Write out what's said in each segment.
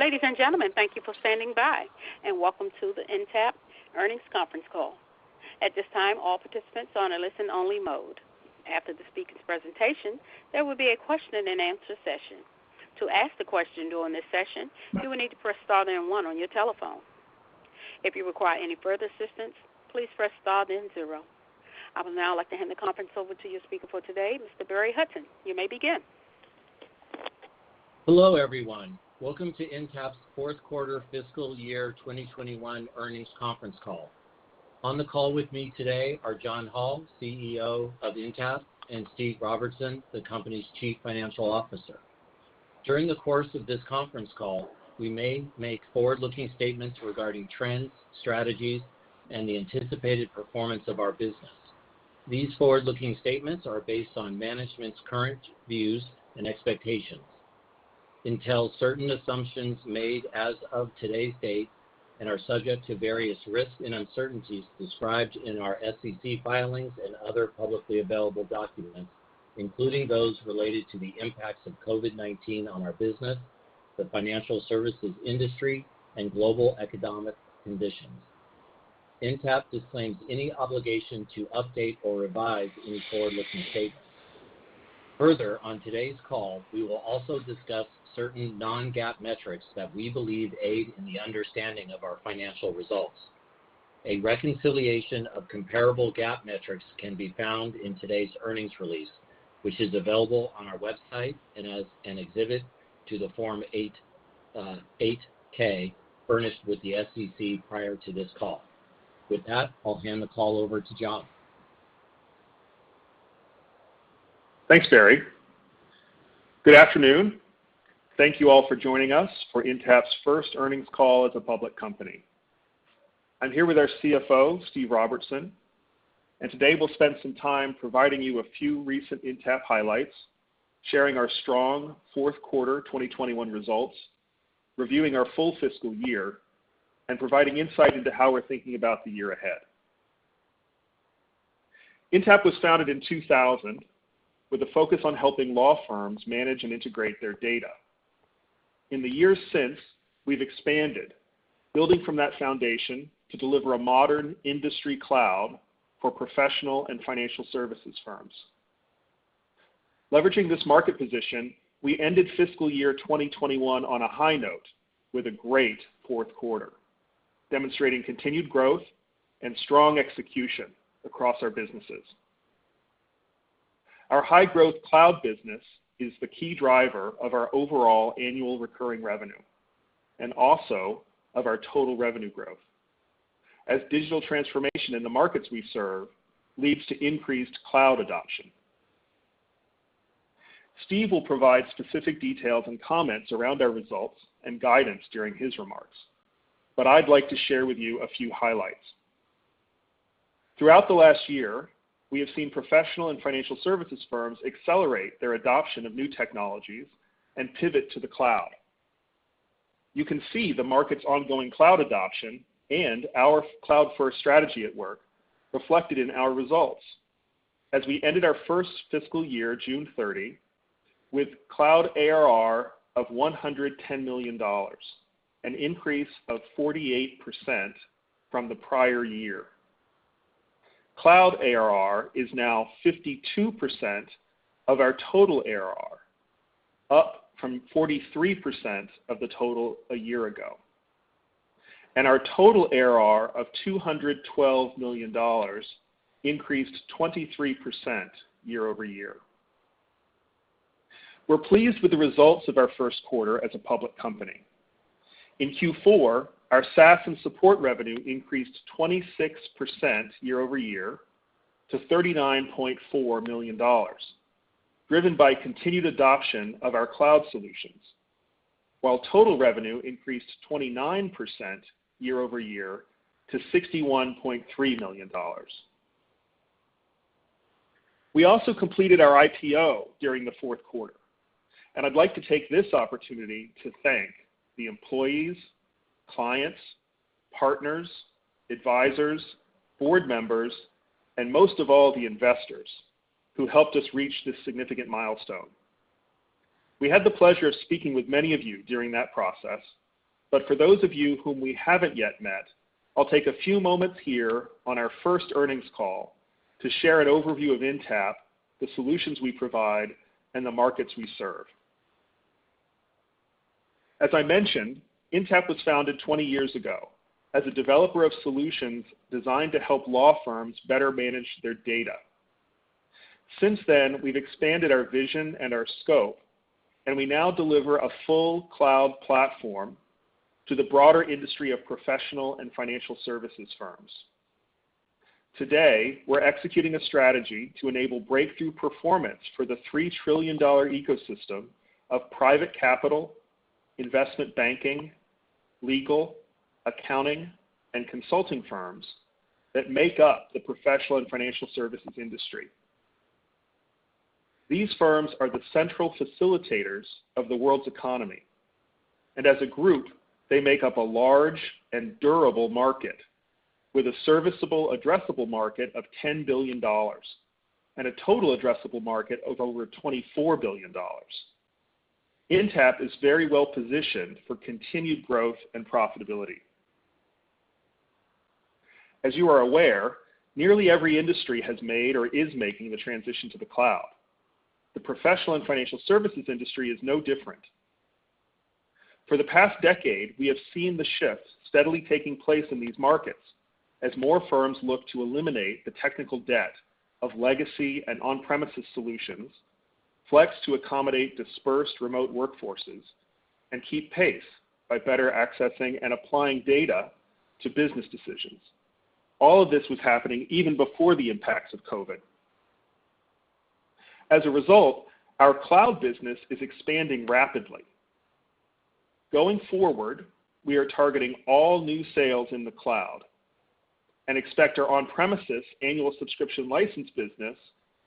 Ladies and gentlemen, thank you for standing by, and welcome to the Intapp earnings conference call. I would now like to hand the conference over to your speaker for today, Mr. Barry Hutton. You may begin. Hello, everyone. Welcome to Intapp's fourth quarter fiscal year 2021 earnings conference call. On the call with me today are John Hall, CEO of Intapp, and Steve Robertson, the company's chief financial officer. During the course of this conference call, we may make forward-looking statements regarding trends, strategies, and the anticipated performance of our business. These forward-looking statements are based on management's current views and expectations until certain assumptions made as of today's date, and are subject to various risks and uncertainties described in our SEC filings and other publicly available documents, including those related to the impacts of COVID-19 on our business, the financial services industry, and global economic conditions. Intapp disclaims any obligation to update or revise any forward-looking statements. Further, on today's call, we will also discuss certain non-GAAP metrics that we believe aid in the understanding of our financial results. A reconciliation of comparable GAAP metrics can be found in today's earnings release, which is available on our website and as an exhibit to the Form 8-K furnished with the SEC prior to this call. With that, I'll hand the call over to John. Thanks, Barry Hutton. Good afternoon. Thank you all for joining us for Intapp's first earnings call as a public company. I'm here with our CFO, Steve Robertson, and today we'll spend some time providing you a few recent Intapp highlights, sharing our strong fourth quarter 2021 results, reviewing our full fiscal year, and providing insight into how we're thinking about the year ahead. Intapp was founded in 2000 with a focus on helping law firms manage and integrate their data. In the years since, we've expanded, building from that foundation to deliver a modern industry cloud for professional and financial services firms. Leveraging this market position, we ended fiscal year 2021 on a high note with a great fourth quarter, demonstrating continued growth and strong execution across our businesses. Our high-growth cloud business is the key driver of our overall annual recurring revenue, and also of our total revenue growth, as digital transformation in the markets we serve leads to increased cloud adoption. Steve will provide specific details and comments around our results and guidance during his remarks, but I'd like to share with you a few highlights. Throughout the last year, we have seen professional and financial services firms accelerate their adoption of new technologies and pivot to the cloud. You can see the market's ongoing cloud adoption and our cloud-first strategy at work reflected in our results, as we ended our first fiscal year, June 30, with cloud ARR of $110 million, an increase of 48% from the prior year. Cloud ARR is now 52% of our total ARR, up from 43% of the total a year ago. Our total ARR of $212 million increased 23% year-over-year. We're pleased with the results of our first quarter as a public company. In Q4, our SaaS and support revenue increased 26% year-over-year to $39.4 million, driven by continued adoption of our cloud solutions, while total revenue increased 29% year-over-year to $61.3 million. We also completed our IPO during the fourth quarter, and I'd like to take this opportunity to thank the employees, clients, partners, advisors, board members, and most of all, the investors, who helped us reach this significant milestone. We had the pleasure of speaking with many of you during that process, but for those of you whom we haven't yet met, I'll take a few moments here on our first earnings call to share an overview of Intapp, the solutions we provide, and the markets we serve. As I mentioned, Intapp was founded 20 years ago as a developer of solutions designed to help law firms better manage their data. Since then, we've expanded our vision and our scope, and we now deliver a full cloud platform to the broader industry of professional and financial services firms. Today, we're executing a strategy to enable breakthrough performance for the $3 trillion ecosystem of private capital, investment banking, legal, accounting, and consulting firms that make up the professional and financial services industry. These firms are the central facilitators of the world's economy, and as a group, they make up a large and durable market. With a serviceable addressable market of $10 billion and a total addressable market of over $24 billion, Intapp is very well positioned for continued growth and profitability. As you are aware, nearly every industry has made or is making the transition to the cloud. The professional and financial services industry is no different. For the past decade, we have seen the shift steadily taking place in these markets as more firms look to eliminate the technical debt of legacy and on-premises solutions, flex to accommodate dispersed remote workforces, and keep pace by better accessing and applying data to business decisions. All of this was happening even before the impacts of COVID. As a result, our cloud business is expanding rapidly. Going forward, we are targeting all new sales in the cloud and expect our on-premises annual subscription license business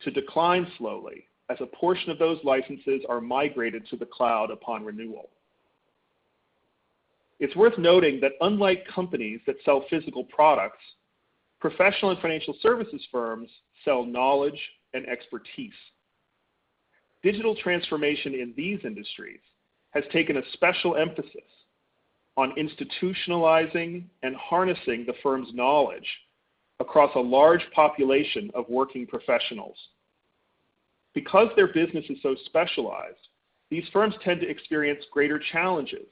to decline slowly as a portion of those licenses are migrated to the cloud upon renewal. It's worth noting that unlike companies that sell physical products, professional and financial services firms sell knowledge and expertise. Digital transformation in these industries has taken a special emphasis on institutionalizing and harnessing the firm's knowledge across a large population of working professionals. Because their business is so specialized, these firms tend to experience greater challenges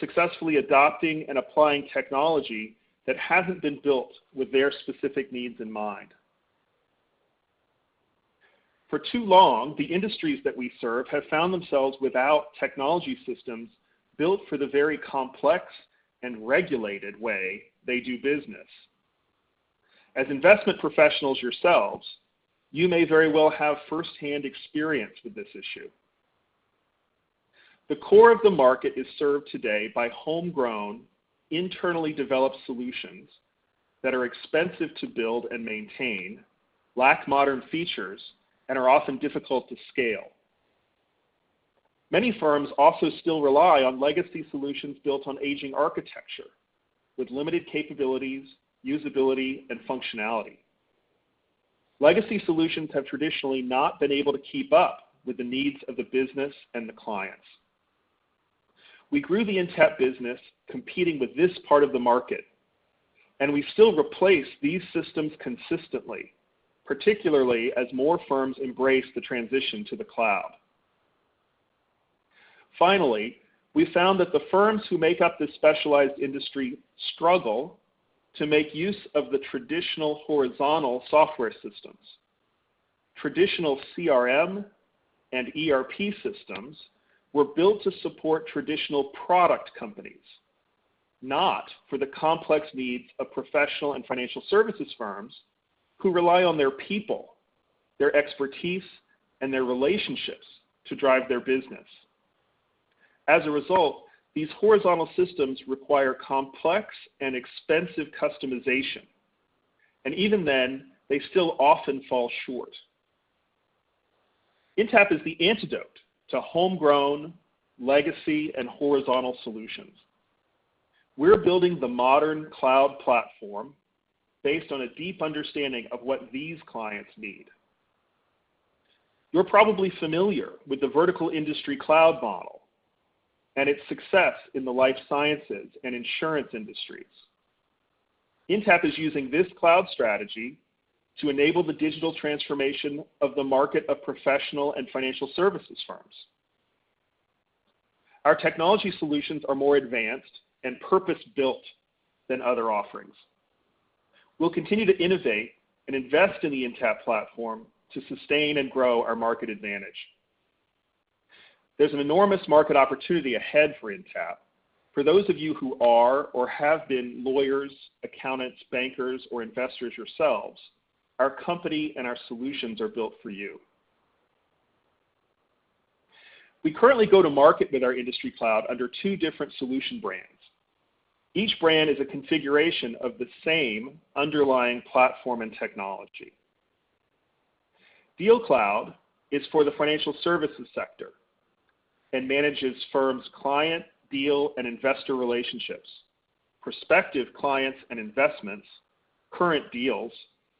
successfully adopting and applying technology that hasn't been built with their specific needs in mind. For too long, the industries that we serve have found themselves without technology systems built for the very complex and regulated way they do business. As investment professionals yourselves, you may very well have firsthand experience with this issue. The core of the market is served today by homegrown, internally developed solutions that are expensive to build and maintain, lack modern features, and are often difficult to scale. Many firms also still rely on legacy solutions built on aging architecture with limited capabilities, usability, and functionality. Legacy solutions have traditionally not been able to keep up with the needs of the business and the clients. We grew the Intapp business competing with this part of the market, and we still replace these systems consistently, particularly as more firms embrace the transition to the cloud. Finally, we found that the firms who make up this specialized industry struggle to make use of the traditional horizontal software systems. Traditional CRM and ERP systems were built to support traditional product companies, not for the complex needs of professional and financial services firms who rely on their people, their expertise, and their relationships to drive their business. As a result, these horizontal systems require complex and expensive customization, and even then, they still often fall short. Intapp is the antidote to homegrown legacy and horizontal solutions. We're building the modern cloud platform based on a deep understanding of what these clients need. You're probably familiar with the vertical industry cloud model and its success in the life sciences and insurance industries. Intapp is using this cloud strategy to enable the digital transformation of the market of professional and financial services firms. Our technology solutions are more advanced and purpose-built than other offerings. We'll continue to innovate and invest in the Intapp platform to sustain and grow our market advantage. There's an enormous market opportunity ahead for Intapp. For those of you who are or have been lawyers, accountants, bankers, or investors yourselves, our company and our solutions are built for you. We currently go to market with our industry cloud under two different solution brands. Each brand is a configuration of the same underlying platform and technology. DealCloud is for the financial services sector and manages firms' client, deal, and investor relationships, prospective clients and investments, current deals,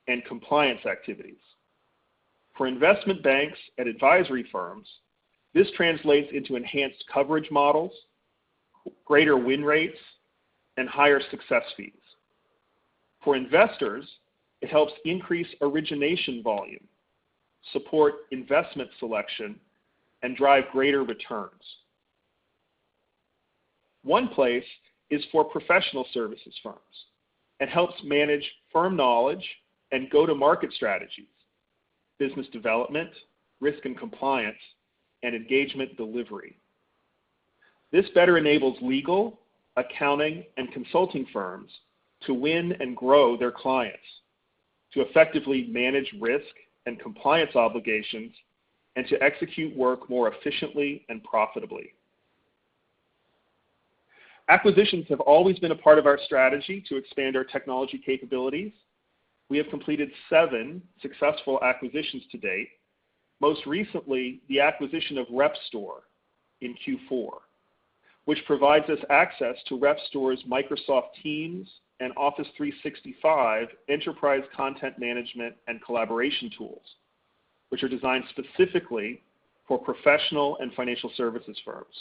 and compliance activities. For investment banks and advisory firms, this translates into enhanced coverage models, greater win rates, and higher success fees. For investors, it helps increase origination volume, support investment selection, and drive greater returns. OnePlace is for professional services firms. It helps manage firm knowledge and go-to-market strategies, business development, risk and compliance, and engagement delivery. This better enables legal, accounting, and consulting firms to win and grow their clients, to effectively manage risk and compliance obligations, and to execute work more efficiently and profitably. Acquisitions have always been a part of our strategy to expand our technology capabilities. We have completed seven successful acquisitions to date, most recently the acquisition of Repstor in Q4, which provides us access to Repstor's Microsoft Teams and Office 365 enterprise content management and collaboration tools, which are designed specifically for professional and financial services firms.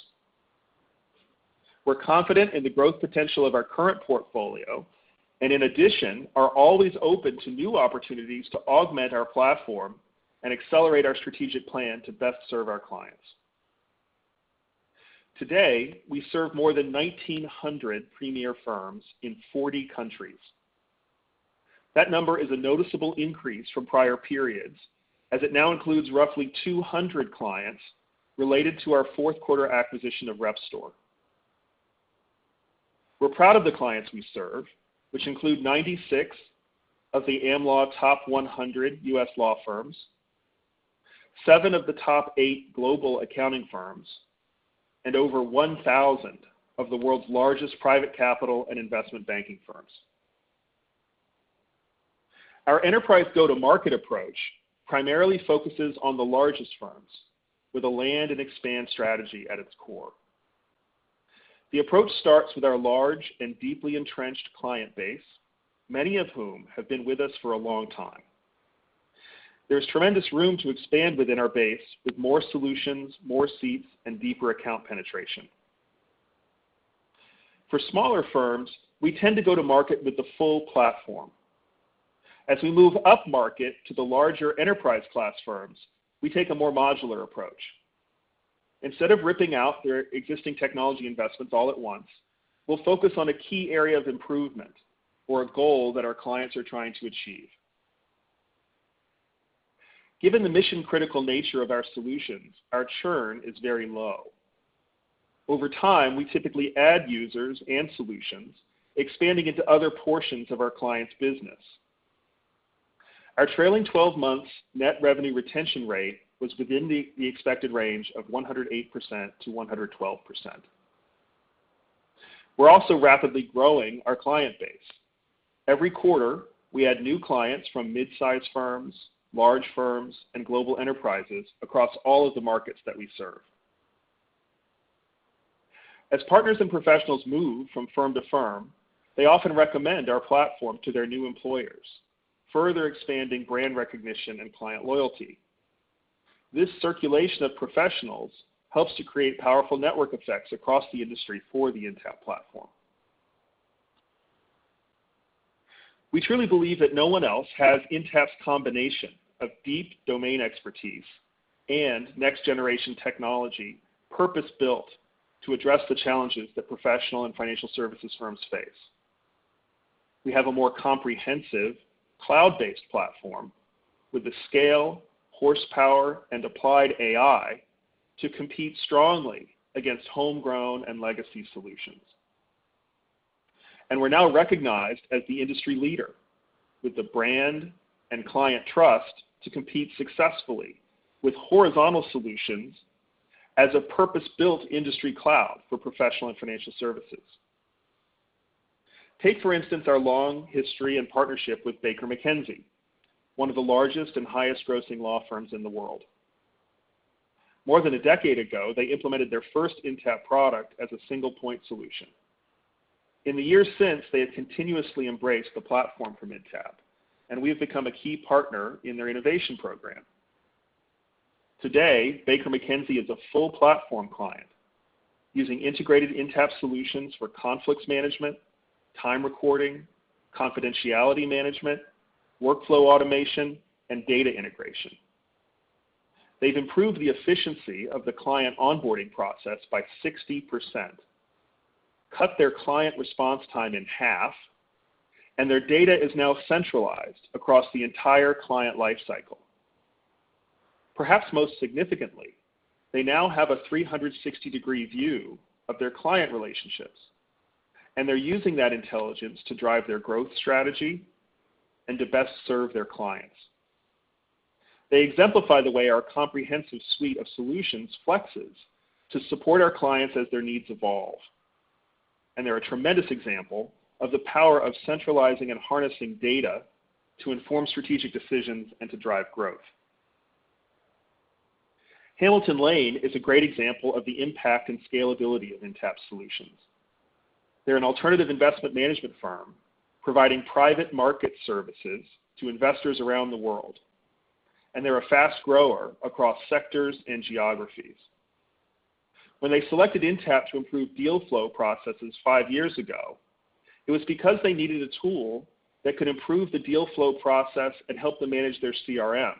We're confident in the growth potential of our current portfolio, and in addition, are always open to new opportunities to augment our platform and accelerate our strategic plan to best serve our clients. Today, we serve more than 1,900 premier firms in 40 countries. That number is a noticeable increase from prior periods, as it now includes roughly 200 clients related to our fourth quarter acquisition of Repstor. We're proud of the clients we serve, which include 96 of the Am Law top 100 U.S. law firms, seven of the top eight global accounting firms, and over 1,000 of the world's largest private capital and investment banking firms. Our enterprise go-to-market approach primarily focuses on the largest firms, with a land and expand strategy at its core. The approach starts with our large and deeply entrenched client base, many of whom have been with us for a long time. There's tremendous room to expand within our base with more solutions, more seats, and deeper account penetration. For smaller firms, we tend to go to market with the full platform. As we move up market to the larger enterprise class firms, we take a more modular approach. Instead of ripping out their existing technology investments all at once, we'll focus on a key area of improvement or a goal that our clients are trying to achieve. Given the mission-critical nature of our solutions, our churn is very low. Over time, we typically add users and solutions, expanding into other portions of our clients' business. Our trailing 12 months net revenue retention rate was within the expected range of 108%-112%. We're also rapidly growing our client base. Every quarter, we add new clients from mid-size firms, large firms, and global enterprises across all of the markets that we serve. As partners and professionals move from firm to firm, they often recommend our platform to their new employers, further expanding brand recognition and client loyalty. This circulation of professionals helps to create powerful network effects across the industry for the Intapp platform. We truly believe that no one else has Intapp's combination of deep domain expertise and next generation technology, purpose-built to address the challenges that professional and financial services firms face. We have a more comprehensive, cloud-based platform with the scale, horsepower, and applied AI to compete strongly against homegrown and legacy solutions. We're now recognized as the industry leader, with the brand and client trust to compete successfully with horizontal solutions as a purpose-built industry cloud for professional and financial services. Take, for instance, our long history and partnership with Baker McKenzie, one of the largest and highest grossing law firms in the world. More than a decade ago, they implemented their first Intapp product as a single point solution. In the years since, they have continuously embraced the platform from Intapp, and we have become a key partner in their innovation program. Today, Baker McKenzie is a full platform client, using integrated Intapp solutions for conflicts management, time recording, confidentiality management, workflow automation, and data integration. They've improved the efficiency of the client onboarding process by 60%, cut their client response time in half, and their data is now centralized across the entire client life cycle. Perhaps most significantly, they now have a 360-degree view of their client relationships, and they're using that intelligence to drive their growth strategy and to best serve their clients. They exemplify the way our comprehensive suite of solutions flexes to support our clients as their needs evolve. They're a tremendous example of the power of centralizing and harnessing data to inform strategic decisions and to drive growth. Hamilton Lane is a great example of the impact and scalability of Intapp solutions. They're an alternative investment management firm providing private market services to investors around the world. They're a fast grower across sectors and geographies. When they selected Intapp to improve deal flow processes five years ago, it was because they needed a tool that could improve the deal flow process and help them manage their CRM.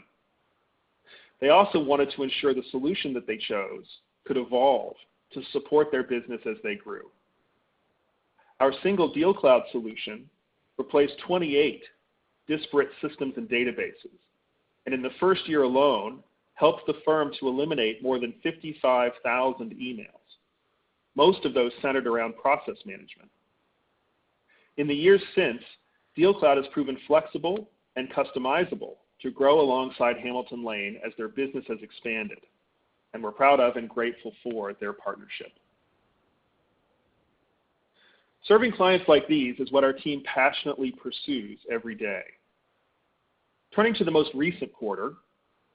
They also wanted to ensure the solution that they chose could evolve to support their business as they grew. Our single DealCloud solution replaced 28 disparate systems and databases, and in the first year alone, helped the firm to eliminate more than 55,000 emails, most of those centered around process management. In the years since, DealCloud has proven flexible and customizable to grow alongside Hamilton Lane as their business has expanded, and we're proud of and grateful for their partnership. Serving clients like these is what our team passionately pursues every day. Turning to the most recent quarter,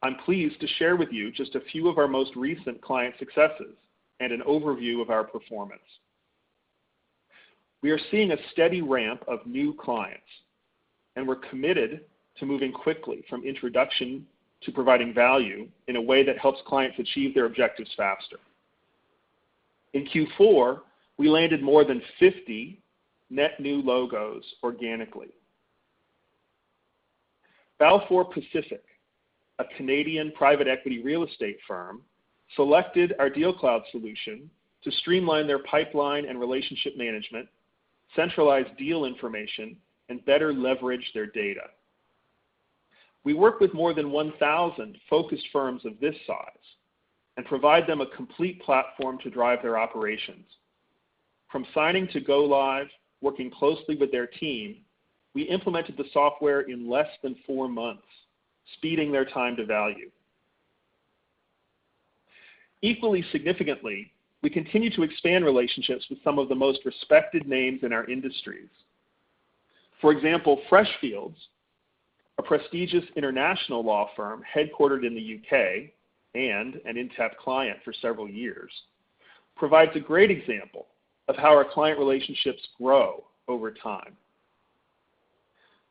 I'm pleased to share with you just a few of our most recent client successes and an overview of our performance. We are seeing a steady ramp of new clients, and we're committed to moving quickly from introduction to providing value in a way that helps clients achieve their objectives faster. In Q4, we landed more than 50 net new logos organically. Balfour Pacific, a Canadian private equity real estate firm, selected our DealCloud solution to streamline their pipeline and relationship management, centralize deal information, and better leverage their data. We work with more than 1,000 focused firms of this size and provide them a complete platform to drive their operations. From signing to go live, working closely with their team, we implemented the software in less than four months, speeding their time to value. Equally significantly, we continue to expand relationships with some of the most respected names in our industries. For example, Freshfields, a prestigious international law firm headquartered in the U.K. and an Intapp client for several years, provides a great example of how our client relationships grow over time.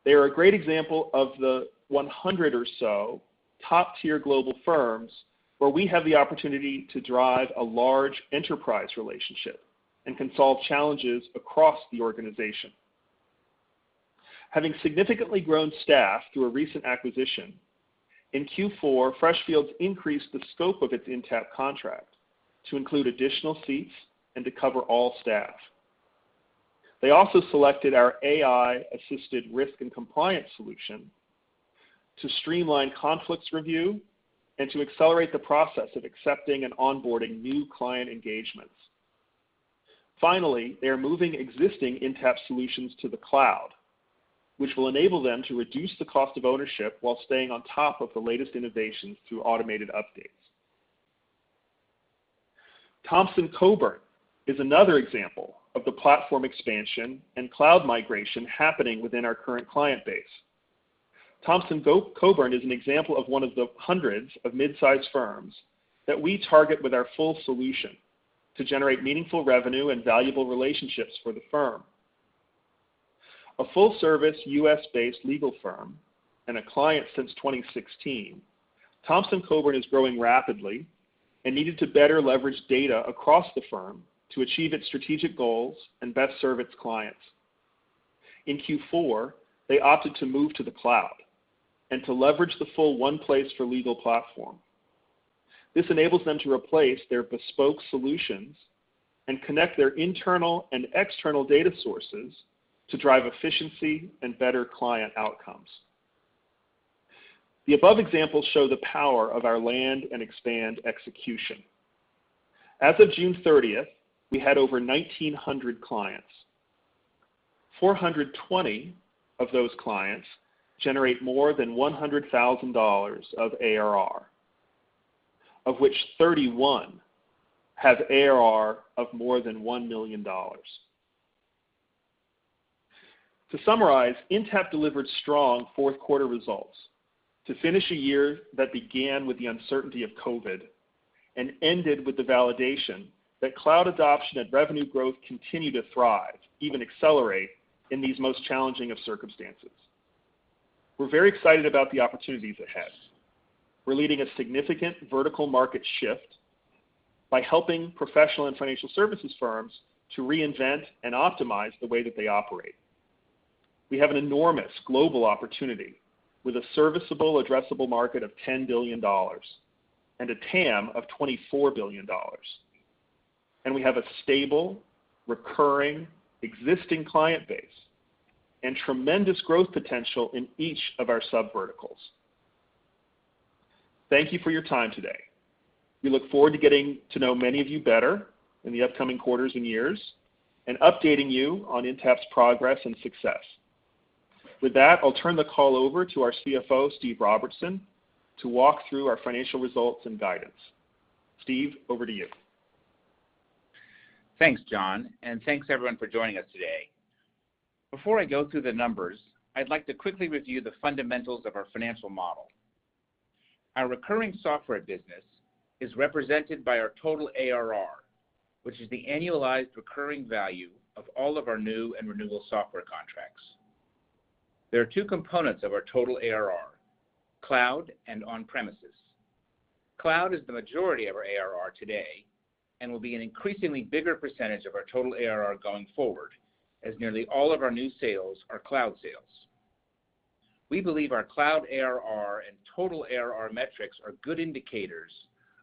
They are a great example of the 100 or so top-tier global firms where we have the opportunity to drive a large enterprise relationship and can solve challenges across the organization. Having significantly grown staff through a recent acquisition, in Q4, Freshfields increased the scope of its Intapp contract to include additional seats and to cover all staff. They also selected our AI-assisted risk and compliance solution to streamline conflicts review and to accelerate the process of accepting and onboarding new client engagements. Finally, they are moving existing Intapp solutions to the cloud, which will enable them to reduce the cost of ownership while staying on top of the latest innovations through automated updates. Thompson Coburn is another example of the platform expansion and cloud migration happening within our current client base. Thompson Coburn is an example of one of the hundreds of mid-size firms that we target with our full solution to generate meaningful revenue and valuable relationships for the firm. A full-service, U.S.-based legal firm and a client since 2016, Thompson Coburn is growing rapidly and needed to better leverage data across the firm to achieve its strategic goals and best serve its clients. In Q4, they opted to move to the cloud and to leverage the full OnePlace for Legal platform. This enables them to replace their bespoke solutions and connect their internal and external data sources to drive efficiency and better client outcomes. The above examples show the power of our land and expand execution. As of June 30th, we had over 1,900 clients. 420 of those clients generate more than $100,000 of ARR, of which 31 have ARR of more than $1 million. To summarize, Intapp delivered strong fourth quarter results to finish a year that began with the uncertainty of COVID and ended with the validation that cloud adoption and revenue growth continue to thrive, even accelerate, in these most challenging of circumstances. We're very excited about the opportunities ahead. We're leading a significant vertical market shift by helping professional and financial services firms to reinvent and optimize the way that they operate. We have an enormous global opportunity with a serviceable addressable market of $10 billion and a TAM of $24 billion. We have a stable, recurring existing client base and tremendous growth potential in each of our subverticals. Thank you for your time today. We look forward to getting to know many of you better in the upcoming quarters and years and updating you on Intapp's progress and success. With that, I'll turn the call over to our CFO, Steve Robertson, to walk through our financial results and guidance. Steve, over to you. Thanks, John, and thanks, everyone, for joining us today. Before I go through the numbers, I'd like to quickly review the fundamentals of our financial model. Our recurring software business is represented by our total ARR, which is the annualized recurring value of all of our new and renewal software contracts. There are two components of our total ARR, cloud and on-premises. Cloud is the majority of our ARR today and will be an increasingly bigger percentage of our total ARR going forward, as nearly all of our new sales are cloud sales. We believe our cloud ARR and total ARR metrics are good indicators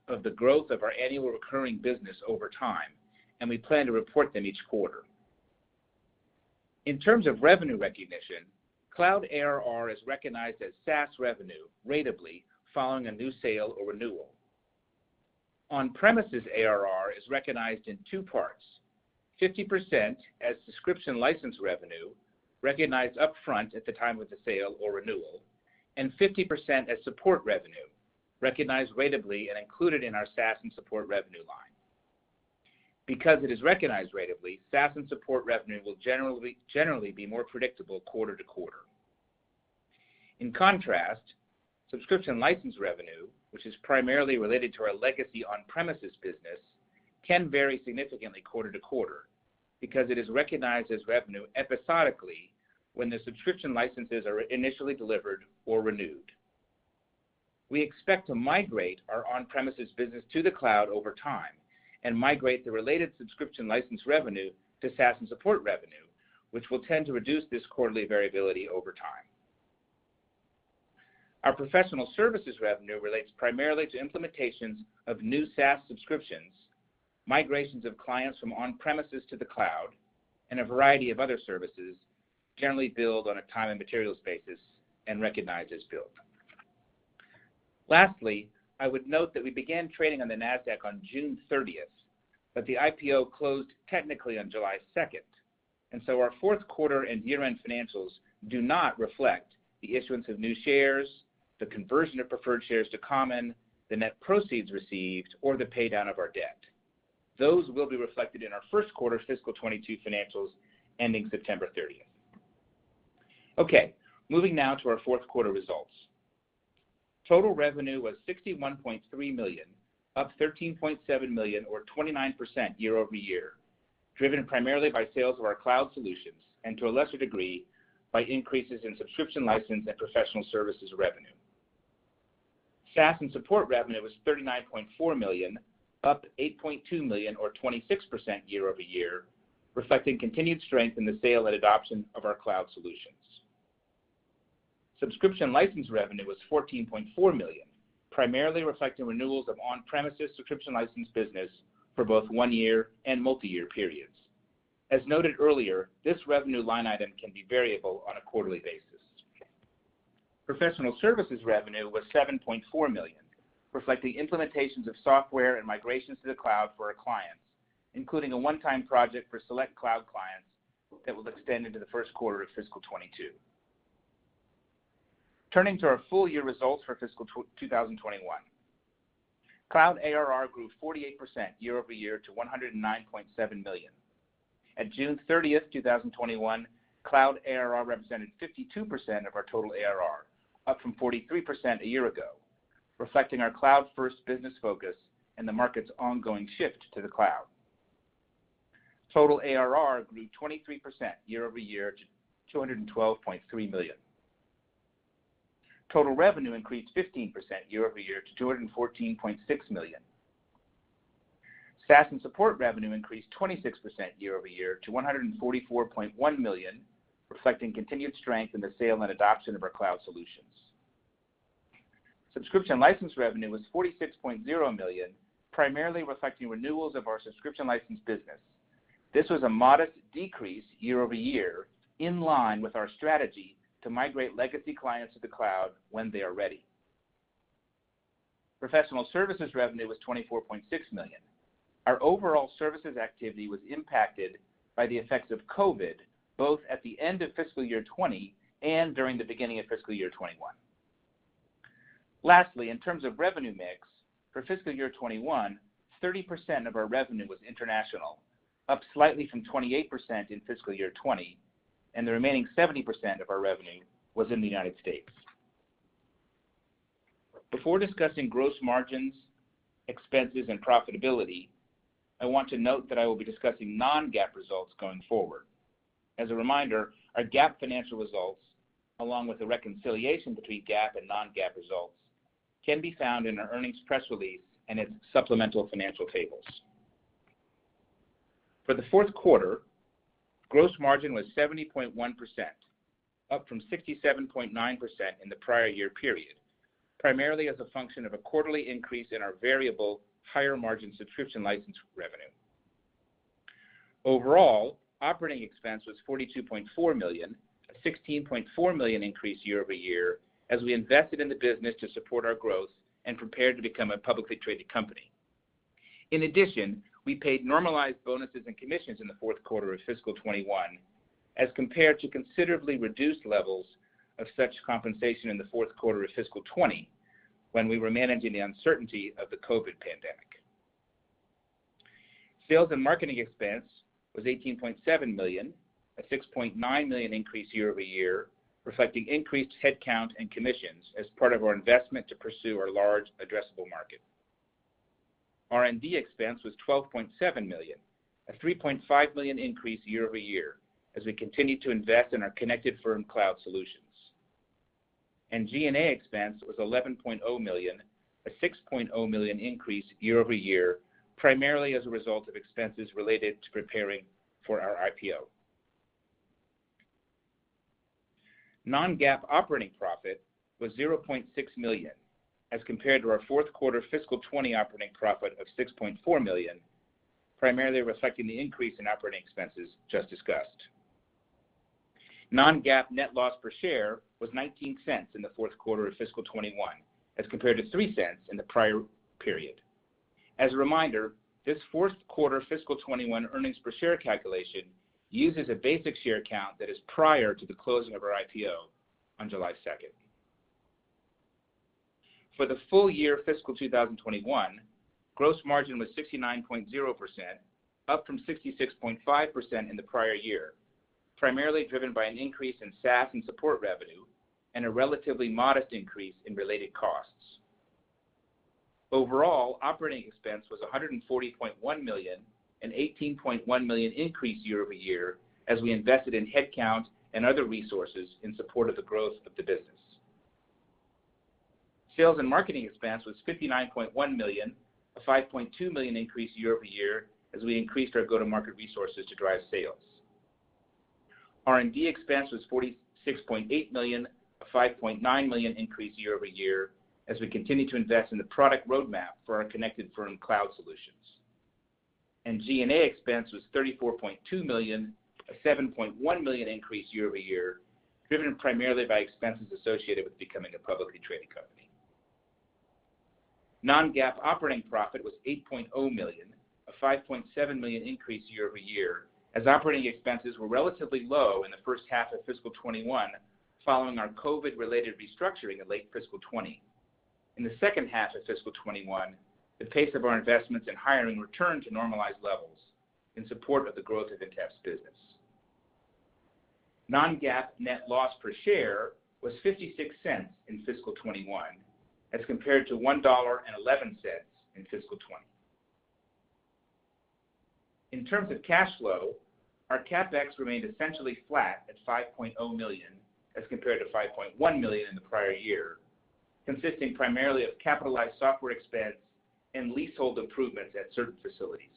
of the growth of our annual recurring business over time, and we plan to report them each quarter. In terms of revenue recognition, cloud ARR is recognized as SaaS revenue ratably following a new sale or renewal. On-premises ARR is recognized in two parts: 50% as subscription license revenue recognized upfront at the time of the sale or renewal, and 50% as support revenue. Recognized ratably and included in our SaaS and support revenue line. Because it is recognized ratably, SaaS and support revenue will generally be more predictable quarter-to-quarter. In contrast, subscription license revenue, which is primarily related to our legacy on-premises business, can vary significantly quarter-to-quarter because it is recognized as revenue episodically when the subscription licenses are initially delivered or renewed. We expect to migrate our on-premises business to the cloud over time and migrate the related subscription license revenue to SaaS and support revenue, which will tend to reduce this quarterly variability over time. Our professional services revenue relates primarily to implementations of new SaaS subscriptions, migrations of clients from on-premises to the cloud, and a variety of other services generally billed on a time and materials basis and recognized as billed. Lastly, I would note that we began trading on the NASDAQ on June 30th, but the IPO closed technically on July 2nd, and so our fourth quarter and year-end financials do not reflect the issuance of new shares, the conversion of preferred shares to common, the net proceeds received, or the pay-down of our debt. Those will be reflected in our first quarter fiscal 2022 financials ending September 30th. Okay, moving now to our fourth quarter results. Total revenue was $61.3 million, up $13.7 million or 29% year-over-year, driven primarily by sales of our cloud solutions and to a lesser degree by increases in subscription license and professional services revenue. SaaS and support revenue was $39.4 million, up $8.2 million or 26% year-over-year, reflecting continued strength in the sale and adoption of our cloud solutions. Subscription license revenue was $14.4 million, primarily reflecting renewals of on-premises subscription license business for both one-year and multi-year periods. As noted earlier, this revenue line item can be variable on a quarterly basis. Professional services revenue was $7.4 million, reflecting implementations of software and migrations to the cloud for our clients, including a one-time project for select cloud clients that will extend into the first quarter of fiscal 2022. Turning to our full-year results for fiscal 2021. Cloud ARR grew 48% year-over-year to $109.7 million. At June 30th, 2021, cloud ARR represented 52% of our total ARR, up from 43% a year ago, reflecting our cloud-first business focus and the market's ongoing shift to the cloud. Total ARR grew 23% year-over-year to $212.3 million. Total revenue increased 15% year-over-year to $214.6 million. SaaS and support revenue increased 26% year-over-year to $144.1 million, reflecting continued strength in the sale and adoption of our cloud solutions. Subscription license revenue was $46.0 million, primarily reflecting renewals of our subscription license business. This was a modest decrease year-over-year, in line with our strategy to migrate legacy clients to the cloud when they are ready. Professional services revenue was $24.6 million. Our overall services activity was impacted by the effects of COVID, both at the end of fiscal year 2020 and during the beginning of fiscal year 2021. Lastly, in terms of revenue mix, for fiscal year 2021, 30% of our revenue was international, up slightly from 28% in fiscal year 2020, and the remaining 70% of our revenue was in the U.S. Before discussing gross margins, expenses, and profitability, I want to note that I will be discussing non-GAAP results going forward. As a reminder, our GAAP financial results, along with the reconciliation between GAAP and non-GAAP results, can be found in our earnings press release and its supplemental financial tables. For the fourth quarter, gross margin was 70.1%, up from 67.9% in the prior year period, primarily as a function of a quarterly increase in our variable higher margin subscription license revenue. Overall, operating expense was $42.4 million, a $16.4 million increase year-over-year as we invested in the business to support our growth and prepared to become a publicly traded company. In addition, we paid normalized bonuses and commissions in the fourth quarter of fiscal 2021 as compared to considerably reduced levels of such compensation in the fourth quarter of fiscal 2020, when we were managing the uncertainty of the COVID pandemic. Sales and marketing expense was $18.7 million, a $6.9 million increase year-over-year, reflecting increased head count and commissions as part of our investment to pursue our large addressable market. R&D expense was $12.7 million, a $3.5 million increase year-over-year as we continue to invest in our Connected Firm cloud solutions. G&A expense was $11.0 million, a $6.0 million increase year-over-year, primarily as a result of expenses related to preparing for our IPO. Non-GAAP operating profit was $0.6 million as compared to our fourth quarter fiscal 2020 operating profit of $6.4 million, primarily reflecting the increase in operating expenses just discussed. Non-GAAP net loss per share was $0.19 in the fourth quarter of fiscal 2021, as compared to $0.03 in the prior period. As a reminder, this fourth quarter fiscal 2021 earnings per share calculation uses a basic share count that is prior to the closing of our IPO on July 2nd. For the full year fiscal 2021, gross margin was 69.0%, up from 66.5% in the prior year, primarily driven by an increase in SaaS and support revenue, and a relatively modest increase in related costs. Overall, operating expense was $140.1 million, an $18.1 million increase year-over-year, as we invested in headcount and other resources in support of the growth of the business. Sales and marketing expense was $59.1 million, a $5.2 million increase year-over-year, as we increased our go-to-market resources to drive sales. R&D expense was $46.8 million, a $5.9 million increase year-over-year, as we continue to invest in the product roadmap for our Connected Firm cloud solutions. G&A expense was $34.2 million, a $7.1 million increase year-over-year, driven primarily by expenses associated with becoming a publicly traded company. non-GAAP operating profit was $8.0 million, a $5.7 million increase year-over-year, as operating expenses were relatively low in the first half of fiscal 2021, following our COVID-related restructuring in late fiscal 2020. In the second half of fiscal 2021, the pace of our investments in hiring returned to normalized levels in support of the growth of Intapp's business. non-GAAP net loss per share was $0.56 in fiscal 2021, as compared to $1.11 in fiscal 2020. In terms of cash flow, our CapEx remained essentially flat at $5.0 million as compared to $5.1 million in the prior year, consisting primarily of capitalized software expense and leasehold improvements at certain facilities.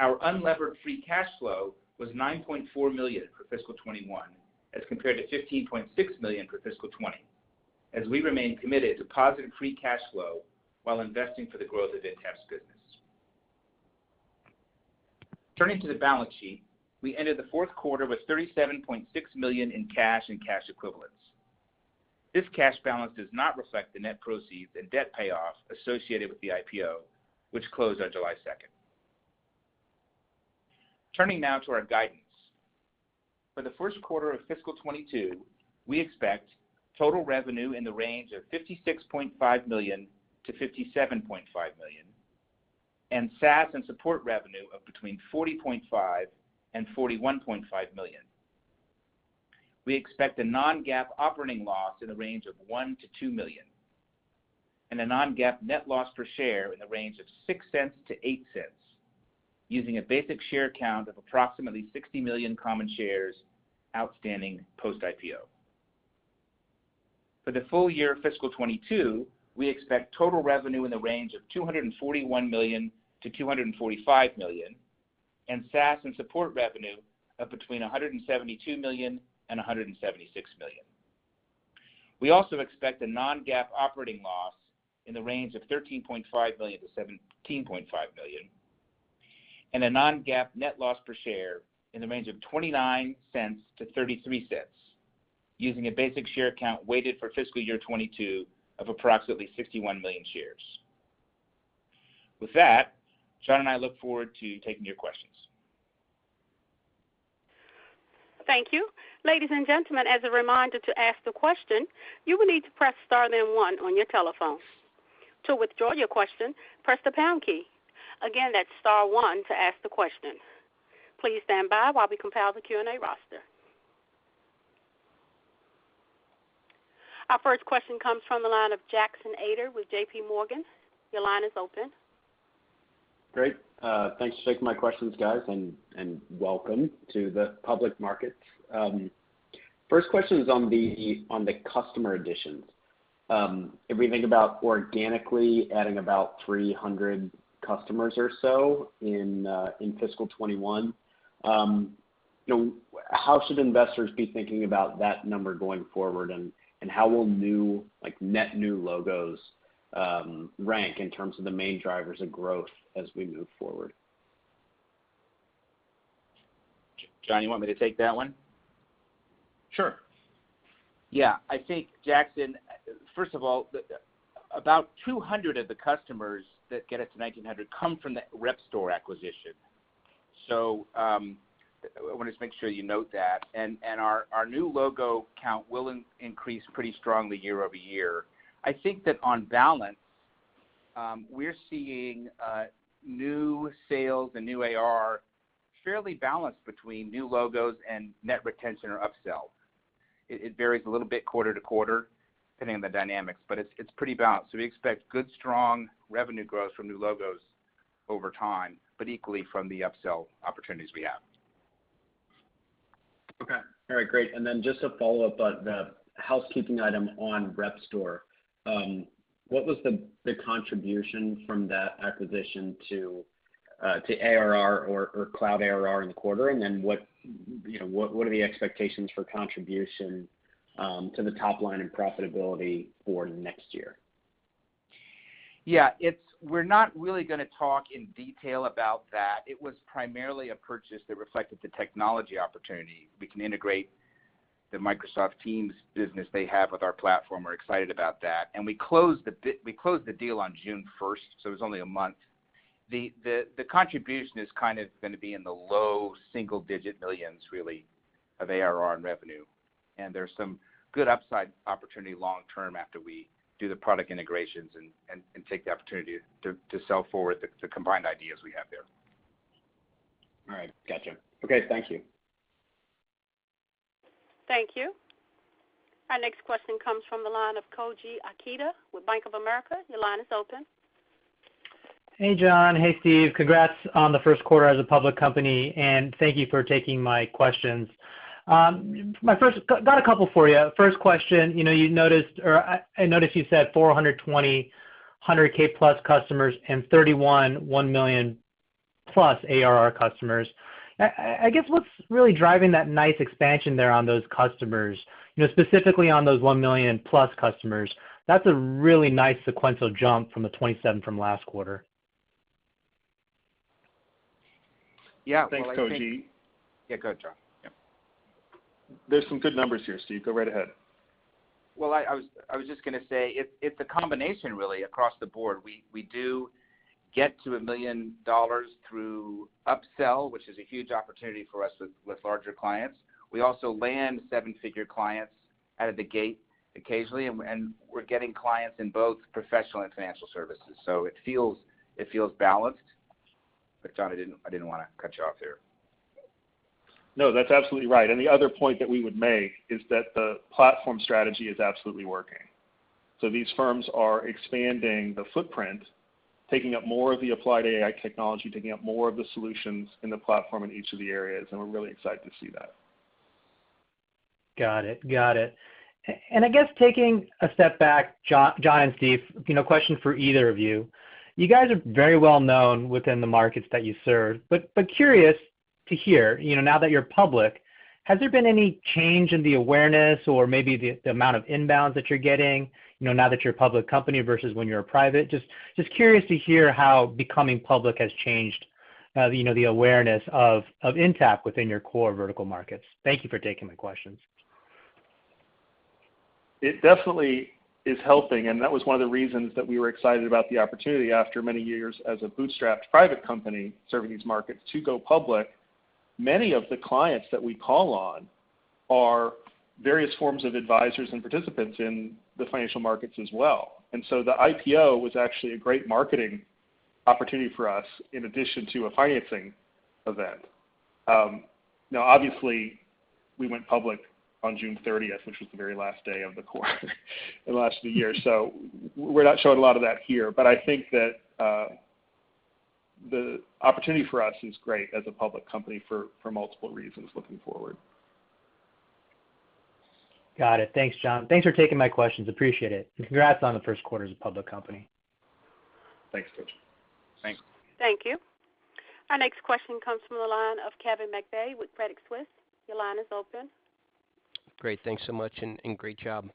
Our unlevered free cash flow was $9.4 million for fiscal 2021, as compared to $15.6 million for fiscal 2020, as we remain committed to positive free cash flow while investing for the growth of Intapp's business. Turning to the balance sheet, we ended the fourth quarter with $37.6 million in cash and cash equivalents. This cash balance does not reflect the net proceeds and debt payoff associated with the IPO, which closed on July 2nd. Turning now to our guidance. For the first quarter of fiscal 2022, we expect total revenue in the range of $56.5 million-$57.5 million, and SaaS and support revenue of between $40.5 million and $41.5 million. We expect a non-GAAP operating loss in the range of $1 million-$2 million, and a non-GAAP net loss per share in the range of $0.06-$0.08, using a basic share count of approximately 60 million common shares outstanding post-IPO. For the full year fiscal 2022, we expect total revenue in the range of $241 million-$245 million, and SaaS and support revenue of between $172 million and $176 million. We also expect a non-GAAP operating loss in the range of $13.5 million-$17.5 million, and a non-GAAP net loss per share in the range of $0.29-$0.33, using a basic share count weighted for fiscal year 2022 of approximately 61 million shares. With that, John and I look forward to taking your questions. Thank you. Ladies and gentlemen, as a reminder to ask the question, you will need to press star then one on your telephone. To withdraw your question, press the pound key. Again, that's star one to ask the question. Please stand by while we compile the Q&A roster. Our first question comes from the line of Jackson Ader with JPMorgan. Your line is open. Great. Thanks for taking my questions, guys, and welcome to the public markets. First question is on the customer additions. If we think about organically adding about 300 customers or so in fiscal 2021, how should investors be thinking about that number going forward, and how will net new logos rank in terms of the main drivers of growth as we move forward? John, you want me to take that one? Sure. Yeah. I think, Jackson, first of all, about 200 of the customers that get us to 1,900 come from that Repstor acquisition. I want to just make sure you note that. Our new logo count will increase pretty strongly year-over-year. I think that on balance, we're seeing new sales and new ARR fairly balanced between new logos and net retention or upsell. It varies a little bit quarter-to-quarter depending on the dynamics, but it's pretty balanced. We expect good, strong revenue growth from new logos over time, but equally from the upsell opportunities we have. Okay. All right, great. Just a follow-up on the housekeeping item on Repstor. What was the contribution from that acquisition to ARR or cloud ARR in the quarter, and then what are the expectations for contribution to the top line and profitability for next year? Yeah. We're not really going to talk in detail about that. It was primarily a purchase that reflected the technology opportunity we can integrate the Microsoft Teams business they have with our platform, we're excited about that. We closed the deal on June 1st, so it was only a month. The contribution is going to be in the low single-digit millions, really, of ARR and revenue. There's some good upside opportunity long term after we do the product integrations and take the opportunity to sell forward the combined ideas we have there. All right. Gotcha. Okay. Thank you. Thank you. Our next question comes from the line of Koji Ikeda with Bank of America. Your line is open. Hey, John. Hey, Steve. Congrats on the first quarter as a public company, and thank you for taking my questions. Got a couple for you. First question, I noticed you said 420, 100,000+ customers and 31, 1 million+ ARR customers. I guess, what's really driving that nice expansion there on those customers, specifically on those 1 million+ customers? That's a really nice sequential jump from the 27 from last quarter. Yeah. Well, I think- Thanks, Koji. Yeah. Go, John. Yeah. There's some good numbers here, Steve. Go right ahead. I was just going to say, it's a combination, really, across the board. We do get to $1 million through upsell, which is a huge opportunity for us with larger clients. We also land seven-figure clients out of the gate occasionally, and we're getting clients in both professional and financial services, so it feels balanced. John, I didn't want to cut you off there. No, that's absolutely right. The other point that we would make is that the platform strategy is absolutely working. These firms are expanding the footprint, taking up more of the applied AI technology, taking up more of the solutions in the platform in each of the areas, and we're really excited to see that. Got it. I guess taking a step back, John and Steve, question for either of you. You guys are very well known within the markets that you serve, but curious to hear, now that you're public, has there been any change in the awareness or maybe the amount of inbounds that you're getting, now that you're a public company versus when you were private? Just curious to hear how becoming public has changed the awareness of Intapp within your core vertical markets. Thank you for taking the questions. It definitely is helping, and that was one of the reasons that we were excited about the opportunity, after many years as a bootstrapped private company serving these markets, to go public. Many of the clients that we call on are various forms of advisors and participants in the financial markets as well. The IPO was actually a great marketing opportunity for us, in addition to a financing event. Now, obviously, we went public on June 30th, which was the very last day of the quarter and last of the year, so we're not showing a lot of that here. I think that the opportunity for us is great as a public company for multiple reasons looking forward. Got it. Thanks, John. Thanks for taking my questions. Appreciate it. Congrats on the first quarter as a public company. Thanks, Koji. Thanks. Thank you. Our next question comes from the line of Kevin McVeigh with Credit Suisse. Your line is open. Great. Thanks so much, and great job.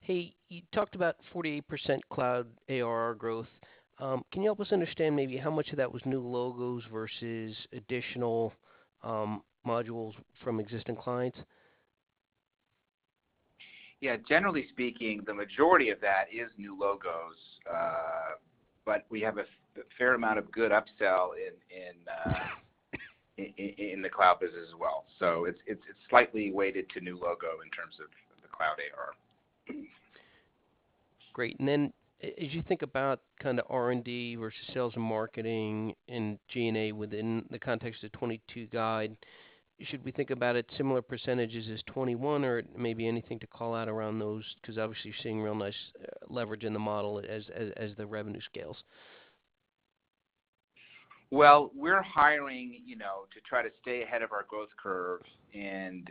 Hey, you talked about 48% cloud ARR growth. Can you help us understand maybe how much of that was new logos versus additional modules from existing clients? Yeah. Generally speaking, the majority of that is new logos. We have a fair amount of good upsell in the cloud business as well. It's slightly weighted to new logo in terms of the cloud ARR. Great. As you think about R&D versus sales and marketing and G&A within the context of the 2022 guide, should we think about it similar % as 2021, or maybe anything to call out around those? Obviously, you're seeing real nice leverage in the model as the revenue scales. Well, we're hiring to try to stay ahead of our growth curves and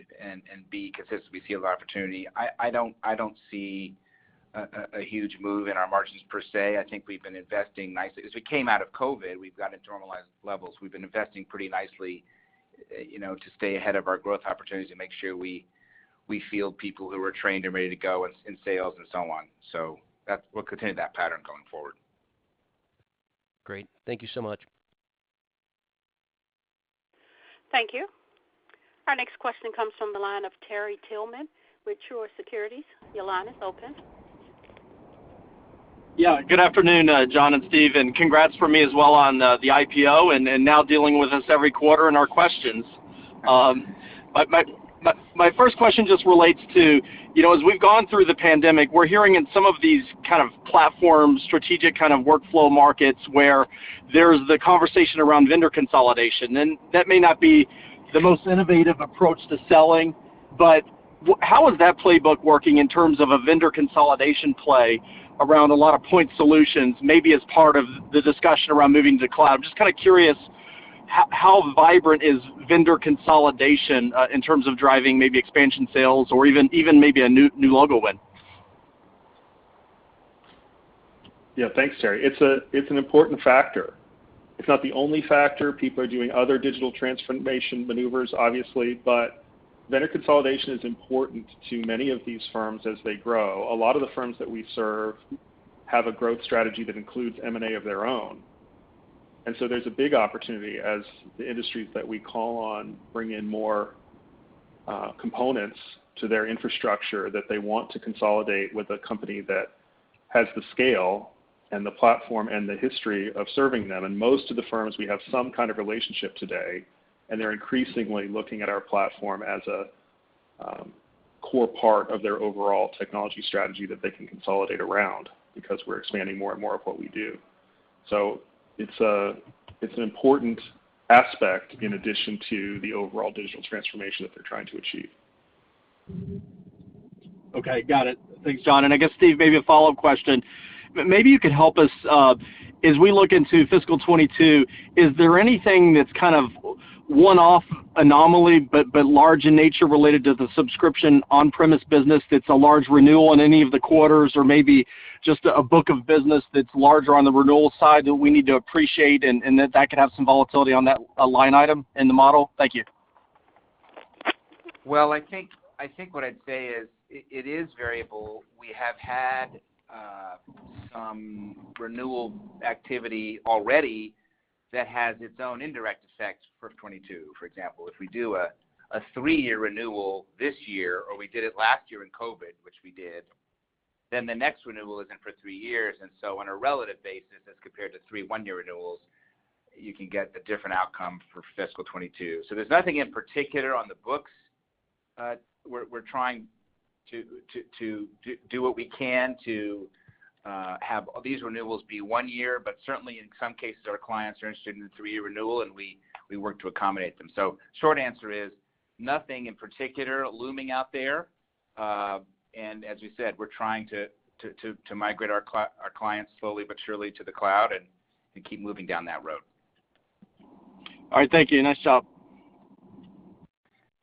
be consistent. We see a lot of opportunity. I don't see a huge move in our margins per se. I think we've been investing nicely. As we came out of COVID, we've got to normalize levels. We've been investing pretty nicely to stay ahead of our growth opportunities and make sure we field people who are trained and ready to go in sales and so on. We'll continue that pattern going forward. Great. Thank you so much. Thank you. Our next question comes from the line of Terry Tillman with Truist Securities. Your line is open. Yeah. Good afternoon, John and Steve, and congrats from me as well on the IPO, and now dealing with us every quarter and our questions. My first question just relates to, as we've gone through the pandemic, we're hearing in some of these kind of platform strategic workflow markets where there's the conversation around vendor consolidation. That may not be the most innovative approach to selling, but how is that playbook working in terms of a vendor consolidation play around a lot of point solutions, maybe as part of the discussion around moving to cloud? Just kind of curious, how vibrant is vendor consolidation in terms of driving maybe expansion sales or even maybe a new logo win? Yeah. Thanks, Terry. It's an important factor. It's not the only factor. People are doing other digital transformation maneuvers, obviously, but vendor consolidation is important to many of these firms as they grow. A lot of the firms that we serve have a growth strategy that includes M&A of their own. There's a big opportunity as the industries that we call on bring in more components to their infrastructure that they want to consolidate with a company that has the scale and the platform and the history of serving them. Most of the firms, we have some kind of relationship today, and they're increasingly looking at our platform as a core part of their overall technology strategy that they can consolidate around because we're expanding more and more of what we do. It's an important aspect in addition to the overall digital transformation that they're trying to achieve. Okay. Got it. Thanks, John. I guess, Steve, maybe a follow-up question. Maybe you could help us. As we look into fiscal 2022, is there anything that's kind of one-off anomaly but large in nature related to the subscription on-premise business that's a large renewal in any of the quarters or maybe just a book of business that's larger on the renewal side that we need to appreciate and that could have some volatility on that line item in the model? Thank you. I think what I'd say is it is variable. We have had some renewal activity already that has its own indirect effects for 2022. For example, if we do a three-year renewal this year, or we did it last year in COVID, which we did, then the next renewal isn't for three years. On a relative basis, as compared to three one-year renewals, you can get a different outcome for fiscal 2022. There's nothing in particular on the books. We're trying to do what we can to have these renewals be one year, certainly in some cases, our clients are interested in a three-year renewal, and we work to accommodate them. Short answer is, nothing in particular looming out there. As we said, we're trying to migrate our clients slowly but surely to the cloud and to keep moving down that road. All right. Thank you. Nice job.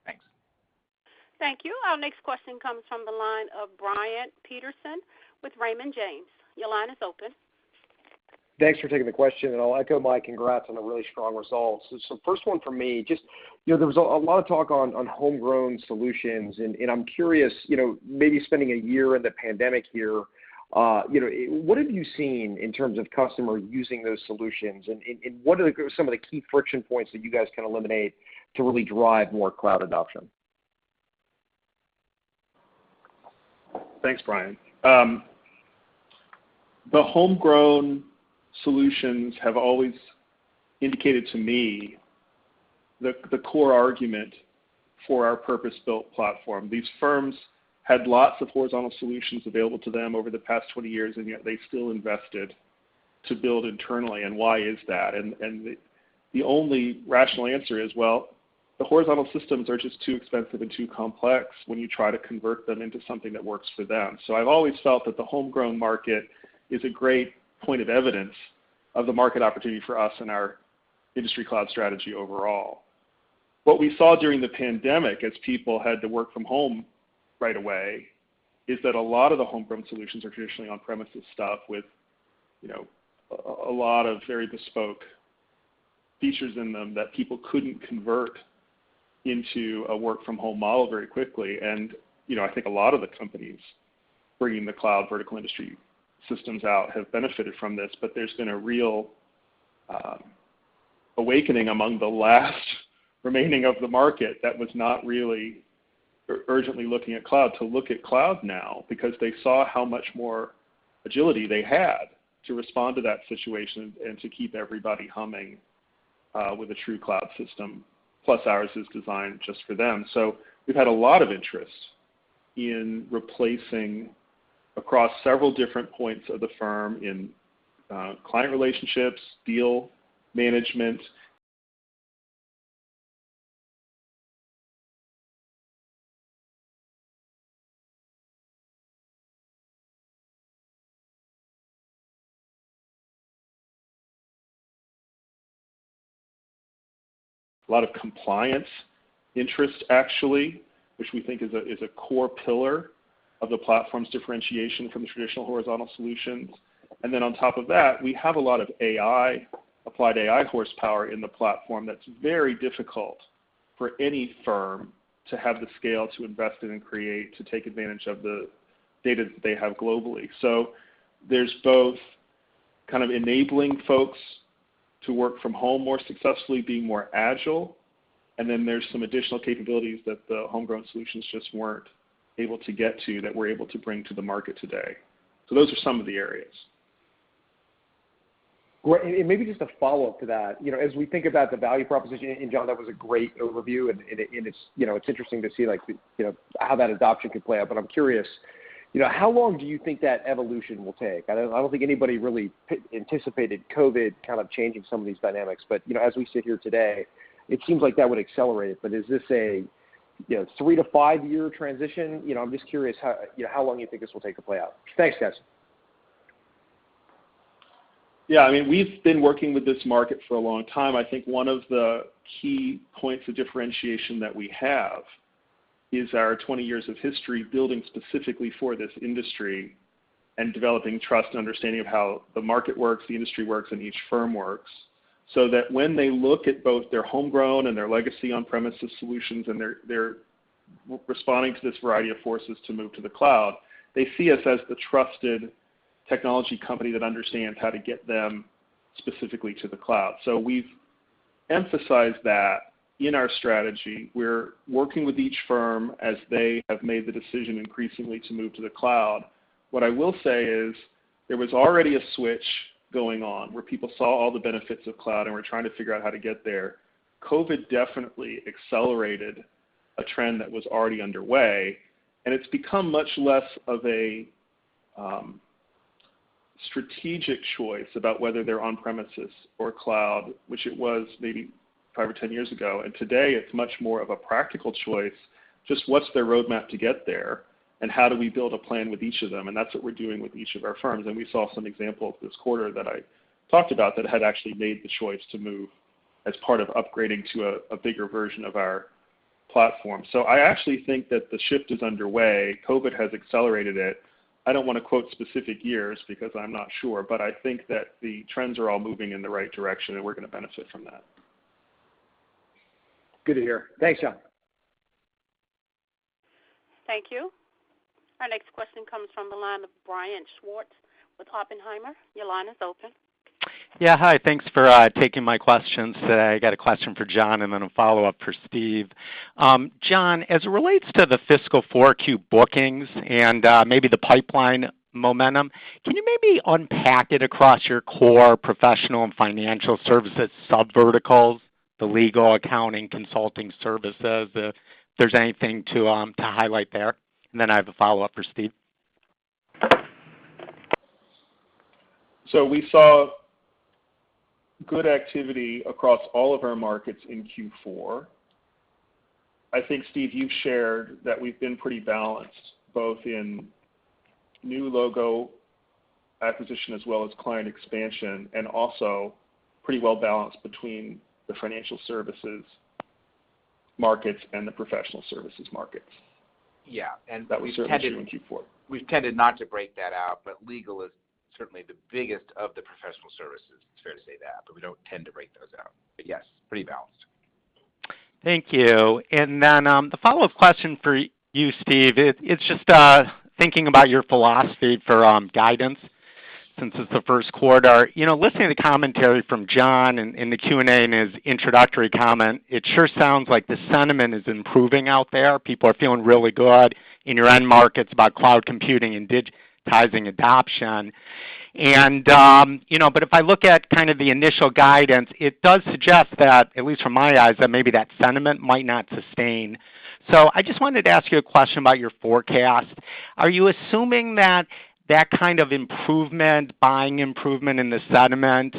Thanks. Thank you. Our next question comes from the line of Brian Peterson with Raymond James. Your line is open. Thanks for taking the question, and I'll echo my congrats on the really strong results. First one for me, there was a lot of talk on homegrown solutions, and I'm curious, maybe spending one year in the pandemic here, what have you seen in terms of customer using those solutions, and what are some of the key friction points that you guys can eliminate to really drive more cloud adoption? Thanks, Brian. The homegrown solutions have always indicated to me the core argument for our purpose-built platform. These firms had lots of horizontal solutions available to them over the past 20 years, yet they still invested to build internally, why is that? The only rational answer is, well, the horizontal systems are just too expensive and too complex when you try to convert them into something that works for them. I've always felt that the homegrown market is a great point of evidence of the market opportunity for us and our industry cloud strategy overall. What we saw during the pandemic, as people had to work from home right away, is that a lot of the homegrown solutions are traditionally on-premises stuff with a lot of very bespoke features in them that people couldn't convert into a work-from-home model very quickly. I think a lot of the companies bringing the cloud vertical industry systems out have benefited from this, but there's been a real awakening among the last remaining of the market that was not really urgently looking at cloud to look at cloud now because they saw how much more agility they had to respond to that situation and to keep everybody humming with a true cloud system. Plus, ours is designed just for them. We've had a lot of interest in replacing across several different points of the firm in client relationships, deal management. A lot of compliance interest, actually, which we think is a core pillar of the platform's differentiation from the traditional horizontal solutions. Then on top of that, we have a lot of applied AI horsepower in the platform that's very difficult for any firm to have the scale to invest in and create to take advantage of the data that they have globally. There's both kind of enabling folks to work from home more successfully, being more agile, and then there's some additional capabilities that the homegrown solutions just weren't able to get to that we're able to bring to the market today. Those are some of the areas. Maybe just a follow-up to that. As we think about the value proposition, and John, that was a great overview, and it's interesting to see how that adoption could play out, but I'm curious, how long do you think that evolution will take? I don't think anybody really anticipated COVID kind of changing some of these dynamics. But as we sit here today, it seems like that would accelerate it. But is this a three to five-year transition? I'm just curious how long you think this will take to play out. Thanks, guys. Yeah. We've been working with this market for a long time. I think one of the key points of differentiation that we have is our 20 years of history building specifically for this industry and developing trust and understanding of how the market works, the industry works, and each firm works, so that when they look at both their homegrown and their legacy on-premises solutions and their. Responding to this variety of forces to move to the cloud, they see us as the trusted technology company that understands how to get them specifically to the cloud. We've emphasized that in our strategy. We're working with each firm as they have made the decision increasingly to move to the cloud. What I will say is there was already a switch going on, where people saw all the benefits of cloud and were trying to figure out how to get there. COVID definitely accelerated a trend that was already underway, and it's become much less of a strategic choice about whether they're on-premises or cloud, which it was maybe 5 or 10 years ago. Today, it's much more of a practical choice, just what's their roadmap to get there and how do we build a plan with each of them? That's what we're doing with each of our firms. We saw some examples this quarter that I talked about that had actually made the choice to move as part of upgrading to a bigger version of our platform. I actually think that the shift is underway. COVID has accelerated it. I don't want to quote specific years because I'm not sure, but I think that the trends are all moving in the right direction, and we're going to benefit from that. Good to hear. Thanks, John. Thank you. Our next question comes from the line of Brian Schwartz with Oppenheimer. Your line is open. Yeah. Hi, thanks for taking my questions today. I got a question for John and then a follow-up for Steve. John, as it relates to the fiscal 4Q bookings and maybe the pipeline momentum, can you maybe unpack it across your core professional and financial services subverticals, the legal, accounting, consulting services, if there's anything to highlight there? Then I have a follow-up for Steve. We saw good activity across all of our markets in Q4. I think, Steve, you've shared that we've been pretty balanced, both in new logo acquisition as well as client expansion, and also pretty well-balanced between the financial services markets and the professional services markets. Yeah. That we've seen in Q4. We've tended not to break that out, but legal is certainly the biggest of the professional services, it's fair to say that, but we don't tend to break those out. Yes, pretty balanced. Thank you. The follow-up question for you, Steve, it's just thinking about your philosophy for guidance since it's the first quarter. Listening to commentary from John in the Q&A and his introductory comment, it sure sounds like the sentiment is improving out there. People are feeling really good in your end markets about cloud computing and digitizing adoption. I look at kind of the initial guidance, it does suggest that, at least from my eyes, that maybe that sentiment might not sustain. I just wanted to ask you a question about your forecast. Are you assuming that that kind of improvement, buying improvement in the sentiment,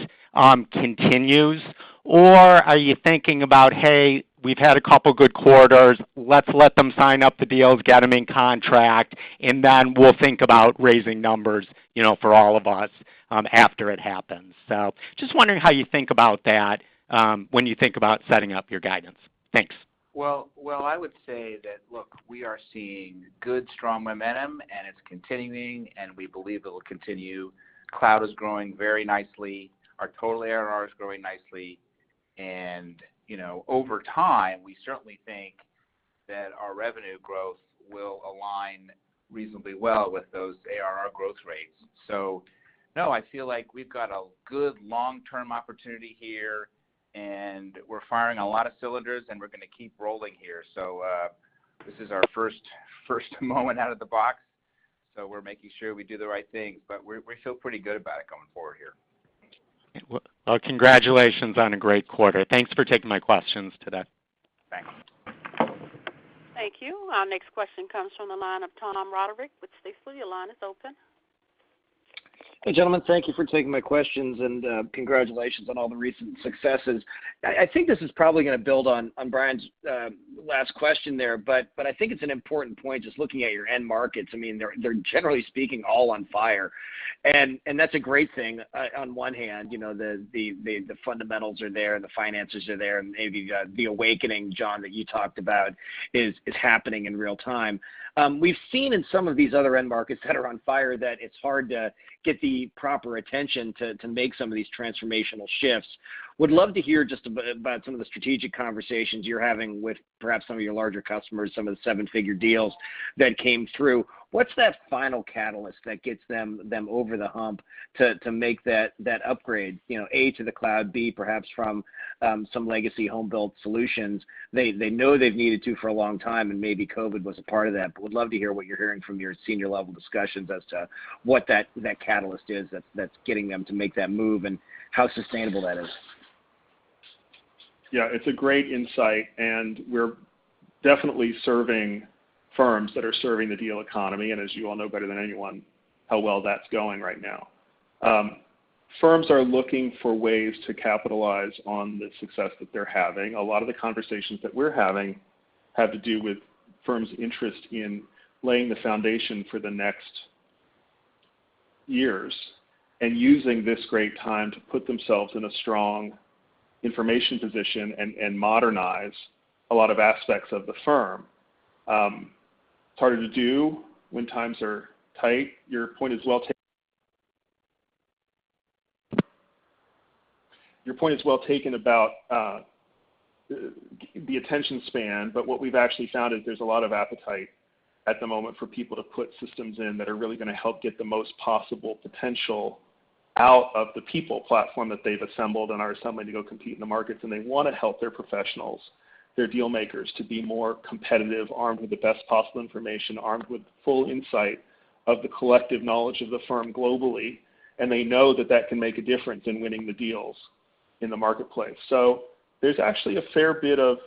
continues? Are you thinking about, "Hey, we've had a couple of good quarters? Let's let them sign up the deals, get them in contract, and then we'll think about raising numbers for all of us after it happens. Just wondering how you think about that when you think about setting up your guidance. Thanks. Well, I would say that, look, we are seeing good, strong momentum, and it's continuing, and we believe it'll continue. Cloud is growing very nicely. Our total ARR is growing nicely. Over time, we certainly think that our revenue growth will align reasonably well with those ARR growth rates. No, I feel like we've got a good long-term opportunity here, and we're firing a lot of cylinders, and we're going to keep rolling here. This is our first moment out of the box, so we're making sure we do the right things. We feel pretty good about it going forward here. Well, congratulations on a great quarter. Thanks for taking my questions today. Thanks. Thank you. Our next question comes from the line of Tom Roderick with Stifel. Your line is open. Hey, gentlemen, thank you for taking my questions, and congratulations on all the recent successes. I think this is probably going to build on Brian's last question there, but I think it's an important point just looking at your end markets. They're generally speaking all on fire, and that's a great thing on one hand. The fundamentals are there, and the finances are there, and maybe the awakening, John, that you talked about is happening in real-time. We've seen in some of these other end markets that are on fire that it's hard to get the proper attention to make some of these transformational shifts. Would love to hear just about some of the strategic conversations you're having with perhaps some of your larger customers, some of the seven-figure deals that came through. What's that final catalyst that gets them over the hump to make that upgrade, A, to the cloud, B, perhaps from some legacy home-built solutions? They know they've needed to for a long time, and maybe COVID was a part of that, but would love to hear what you're hearing from your senior-level discussions as to what that catalyst is that's getting them to make that move and how sustainable that is. Yeah, it's a great insight, and we're definitely serving firms that are serving the deal economy, and as you all know better than anyone, how well that's going right now. Firms are looking for ways to capitalize on the success that they're having. A lot of the conversations that we're having have to do with firms' interest in laying the foundation for the next years and using this great time to put themselves in a strong information position and modernize a lot of aspects of the firm. It's harder to do when times are tight. Your point is well taken about the attention span, what we've actually found is there's a lot of appetite at the moment for people to put systems in that are really going to help get the most possible potential out of the people platform that they've assembled and are assembling to go compete in the markets. They want to help their professionals, their dealmakers, to be more competitive, armed with the best possible information, armed with full insight of the collective knowledge of the firm globally, and they know that that can make a difference in winning the deals in the marketplace. There's actually a fair bit of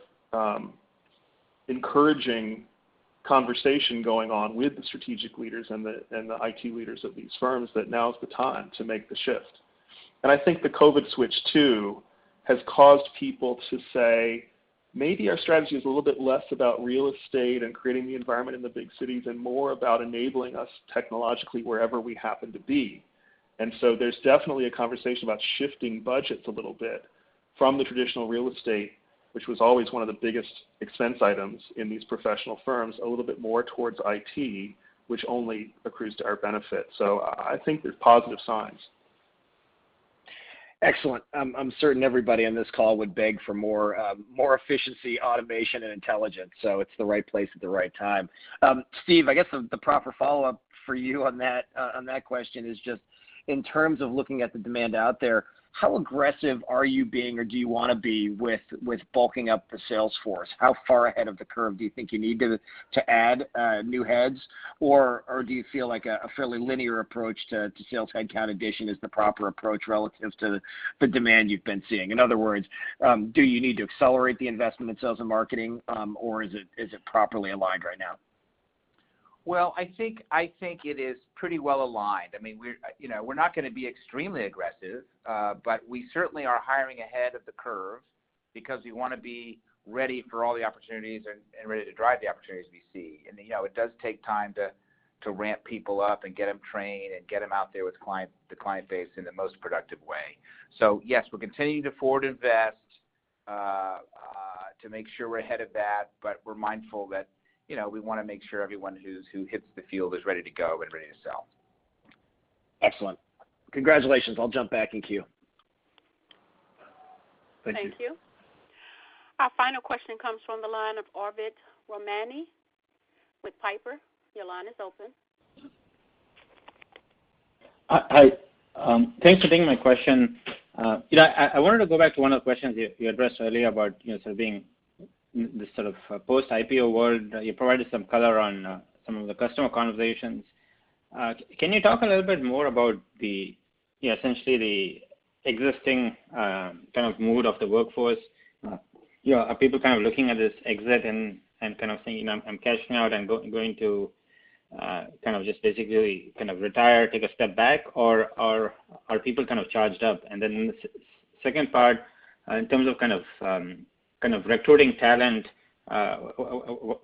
encouraging conversation going on with the strategic leaders and the IT leaders of these firms that now is the time to make the shift. I think the COVID switch, too, has caused people to say, "Maybe our strategy is a little bit less about real estate and creating the environment in the big cities and more about enabling us technologically wherever we happen to be." There's definitely a conversation about shifting budgets a little bit from the traditional real estate, which was always one of the biggest expense items in these professional firms, a little bit more towards IT, which only accrues to our benefit. I think there's positive signs. Excellent. I'm certain everybody on this call would beg for more efficiency, automation, and intelligence, so it's the right place at the right time. Steve, I guess the proper follow-up for you on that question is just in terms of looking at the demand out there, how aggressive are you being or do you want to be with bulking up the sales force? How far ahead of the curve do you think you need to add new heads, or do you feel like a fairly linear approach to sales headcount addition is the proper approach relative to the demand you've been seeing? In other words, do you need to accelerate the investment in sales and marketing, or is it properly aligned right now? I think it is pretty well aligned. We're not going to be extremely aggressive, but we certainly are hiring ahead of the curve because we want to be ready for all the opportunities and ready to drive the opportunities we see. It does take time to ramp people up and get them trained and get them out there with the client base in the most productive way. Yes, we're continuing to forward invest to make sure we're ahead of that, but we're mindful that we want to make sure everyone who hits the field is ready to go and ready to sell. Excellent. Congratulations. I'll jump back in queue. Thank you. Thank you. Our final question comes from the line of Arvind Ramnani with Piper. Your line is open. Hi. Thanks for taking my question. I wanted to go back to one of the questions you addressed earlier about sort of being this sort of post-IPO world. You provided some color on some of the customer conversations. Can you talk a little bit more about essentially the existing kind of mood of the workforce? Are people kind of looking at this exit and kind of saying, "I'm cashing out, I'm going to kind of just basically retire, take a step back," or are people kind of charged up? The second part, in terms of kind of recruiting talent,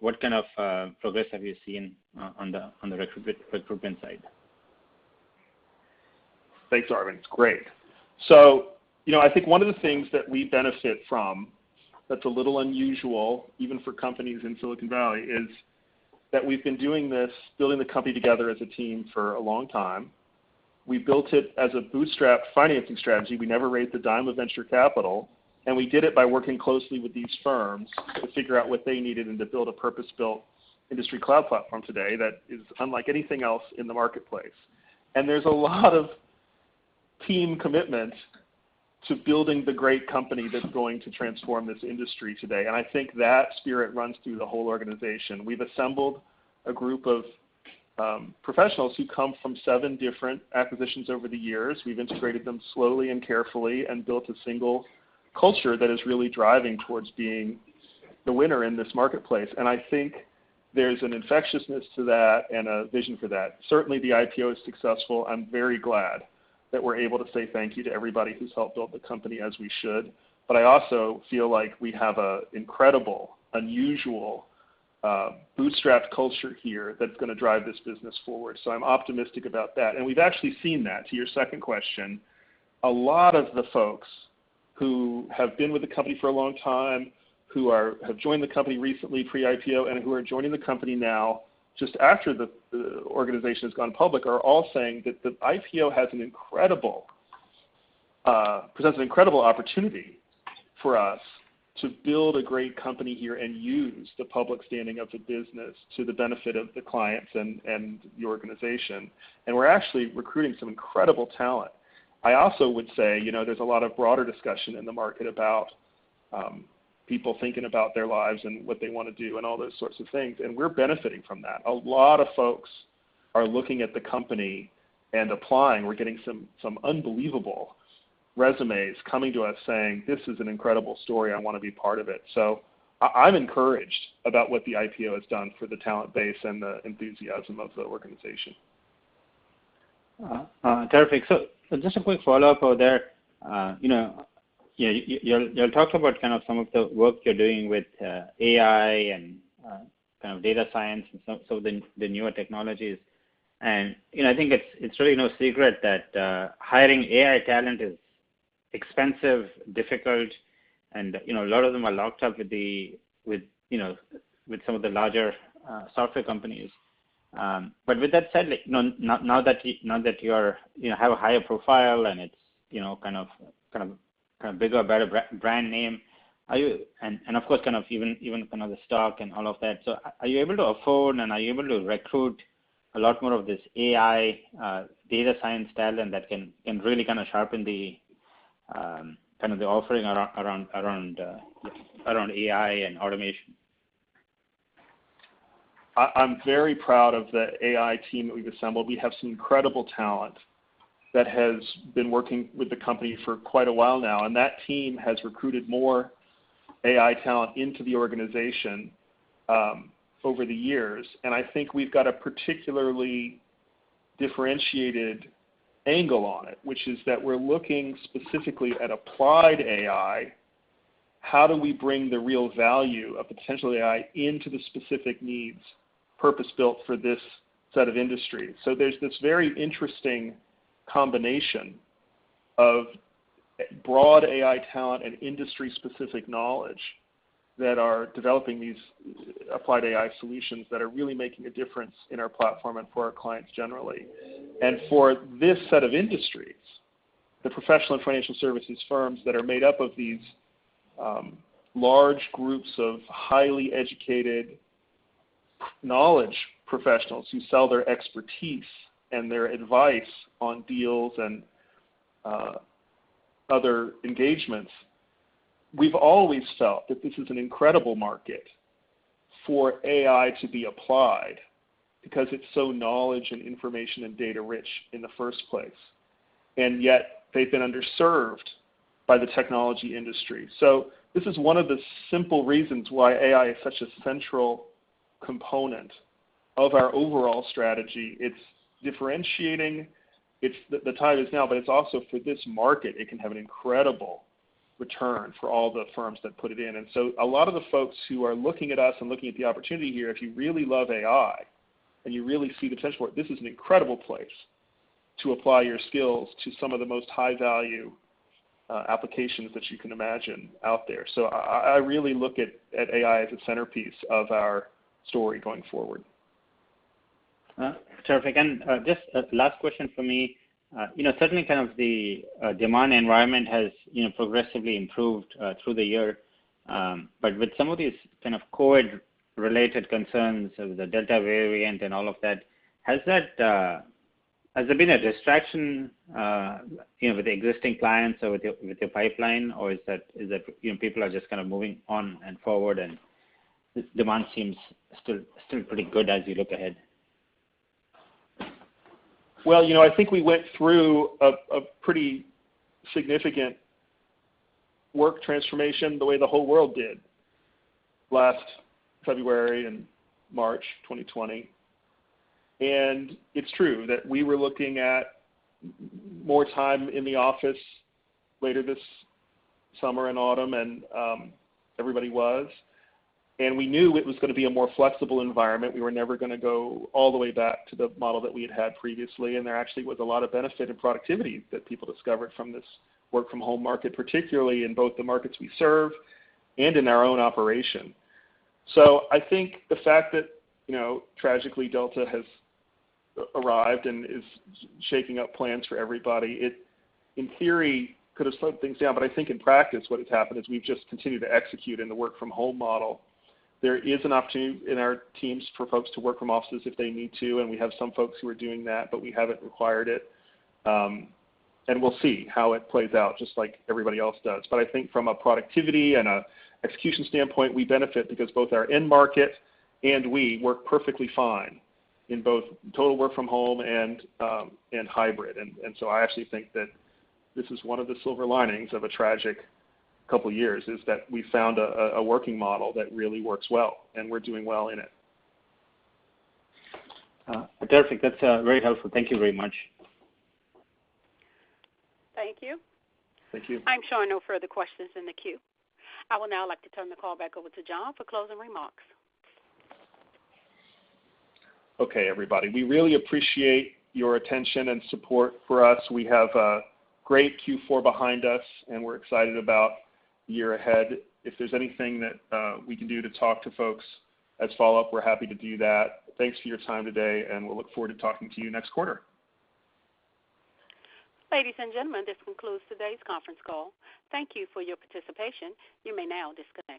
what kind of progress have you seen on the recruitment side? Thanks, Arvind. Great. I think one of the things that we benefit from that's a little unusual, even for companies in Silicon Valley, is that we've been doing this, building the company together as a team for a long time. We built it as a bootstrap financing strategy. We never raised a dime of venture capital, and we did it by working closely with these firms to figure out what they needed and to build a purpose-built industry cloud platform today that is unlike anything else in the marketplace. There's a lot of team commitment to building the great company that's going to transform this industry today, and I think that spirit runs through the whole organization. We've assembled a group of professionals who come from 7 different acquisitions over the years. We've integrated them slowly and carefully and built a single culture that is really driving towards being the winner in this marketplace, and I think there's an infectiousness to that and a vision for that. Certainly, the IPO is successful. I'm very glad that we're able to say thank you to everybody who's helped build the company as we should. I also feel like we have an incredible, unusual, bootstrap culture here that's going to drive this business forward, so I'm optimistic about that. We've actually seen that, to your second question. A lot of the folks who have been with the company for a long time, who have joined the company recently pre-IPO, and who are joining the company now just after the organization has gone public, are all saying that the IPO presents an incredible opportunity for us to build a great company here and use the public standing of the business to the benefit of the clients and the organization. We're actually recruiting some incredible talent. I also would say there's a lot of broader discussion in the market about people thinking about their lives and what they want to do and all those sorts of things, and we're benefiting from that. A lot of folks are looking at the company and applying. We're getting some unbelievable resumes coming to us saying, "This is an incredible story. I want to be part of it." I'm encouraged about what the IPO has done for the talent base and the enthusiasm of the organization. Terrific. Just a quick follow-up out there. You talked about some of the work you're doing with AI and kind of data science and some of the newer technologies, and I think it's really no secret that hiring AI talent is expensive, difficult, and a lot of them are locked up with some of the larger software companies. With that said, now that you have a higher profile and it's a bigger, better brand name, and of course even the stock and all of that, are you able to afford and are you able to recruit a lot more of this AI, data science talent that can really sharpen the offering around AI and automation? I'm very proud of the AI team that we've assembled. We have some incredible talent that has been working with the company for quite a while now, and that team has recruited more AI talent into the organization over the years. I think we've got a particularly differentiated angle on it, which is that we're looking specifically at applied AI, how do we bring the real value of the potential AI into the specific needs purpose-built for this set of industries. There's this very interesting combination of broad AI talent and industry-specific knowledge that are developing these applied AI solutions that are really making a difference in our platform and for our clients generally. For this set of industries, the professional and financial services firms that are made up of these large groups of highly educated knowledge professionals who sell their expertise and their advice on deals and other engagements, we've always felt that this is an incredible market for AI to be applied because it's so knowledge and information and data-rich in the first place, and yet they've been underserved by the technology industry. This is one of the simple reasons why AI is such a central component of our overall strategy. It's differentiating. The time is now, but it's also for this market, it can have an incredible return for all the firms that put it in. A lot of the folks who are looking at us and looking at the opportunity here, if you really love AI, and you really see the potential for it, this is an incredible place to apply your skills to some of the most high-value applications that you can imagine out there. I really look at AI as a centerpiece of our story going forward. Terrific. Just last question from me. Certainly, the demand environment has progressively improved through the year. With some of these COVID-related concerns of the Delta variant and all of that, has there been a distraction with the existing clients or with your pipeline? Is that people are just kind of moving on and forward and demand seems still pretty good as you look ahead? Well, I think we went through a pretty significant work transformation the way the whole world did last February and March 2020. It's true that we were looking at more time in the office later this summer and autumn, and everybody was, and we knew it was going to be a more flexible environment. We were never going to go all the way back to the model that we had had previously, and there actually was a lot of benefit and productivity that people discovered from this work-from-home market, particularly in both the markets we serve and in our own operation. I think the fact that, tragically, Delta has arrived and is shaking up plans for everybody, it, in theory, could have slowed things down. I think in practice, what has happened is we've just continued to execute in the work-from-home model. There is an opportunity in our teams for folks to work from offices if they need to, and we have some folks who are doing that, but we haven't required it. We'll see how it plays out, just like everybody else does. I think from a productivity and an execution standpoint, we benefit because both our end market and we work perfectly fine in both total work from home and hybrid. I actually think that this is one of the silver linings of a tragic couple years, is that we found a working model that really works well, and we're doing well in it. Terrific. That's very helpful. Thank you very much. Thank you. Thank you. I'm showing no further questions in the queue. I would now like to turn the call back over to John for closing remarks. Okay, everybody. We really appreciate your attention and support for us. We have a great Q4 behind us, and we're excited about the year ahead. If there's anything that we can do to talk to folks as follow-up, we're happy to do that. Thanks for your time today, and we'll look forward to talking to you next quarter. Ladies and gentlemen, this concludes today's conference call. Thank you for your participation. You may now disconnect.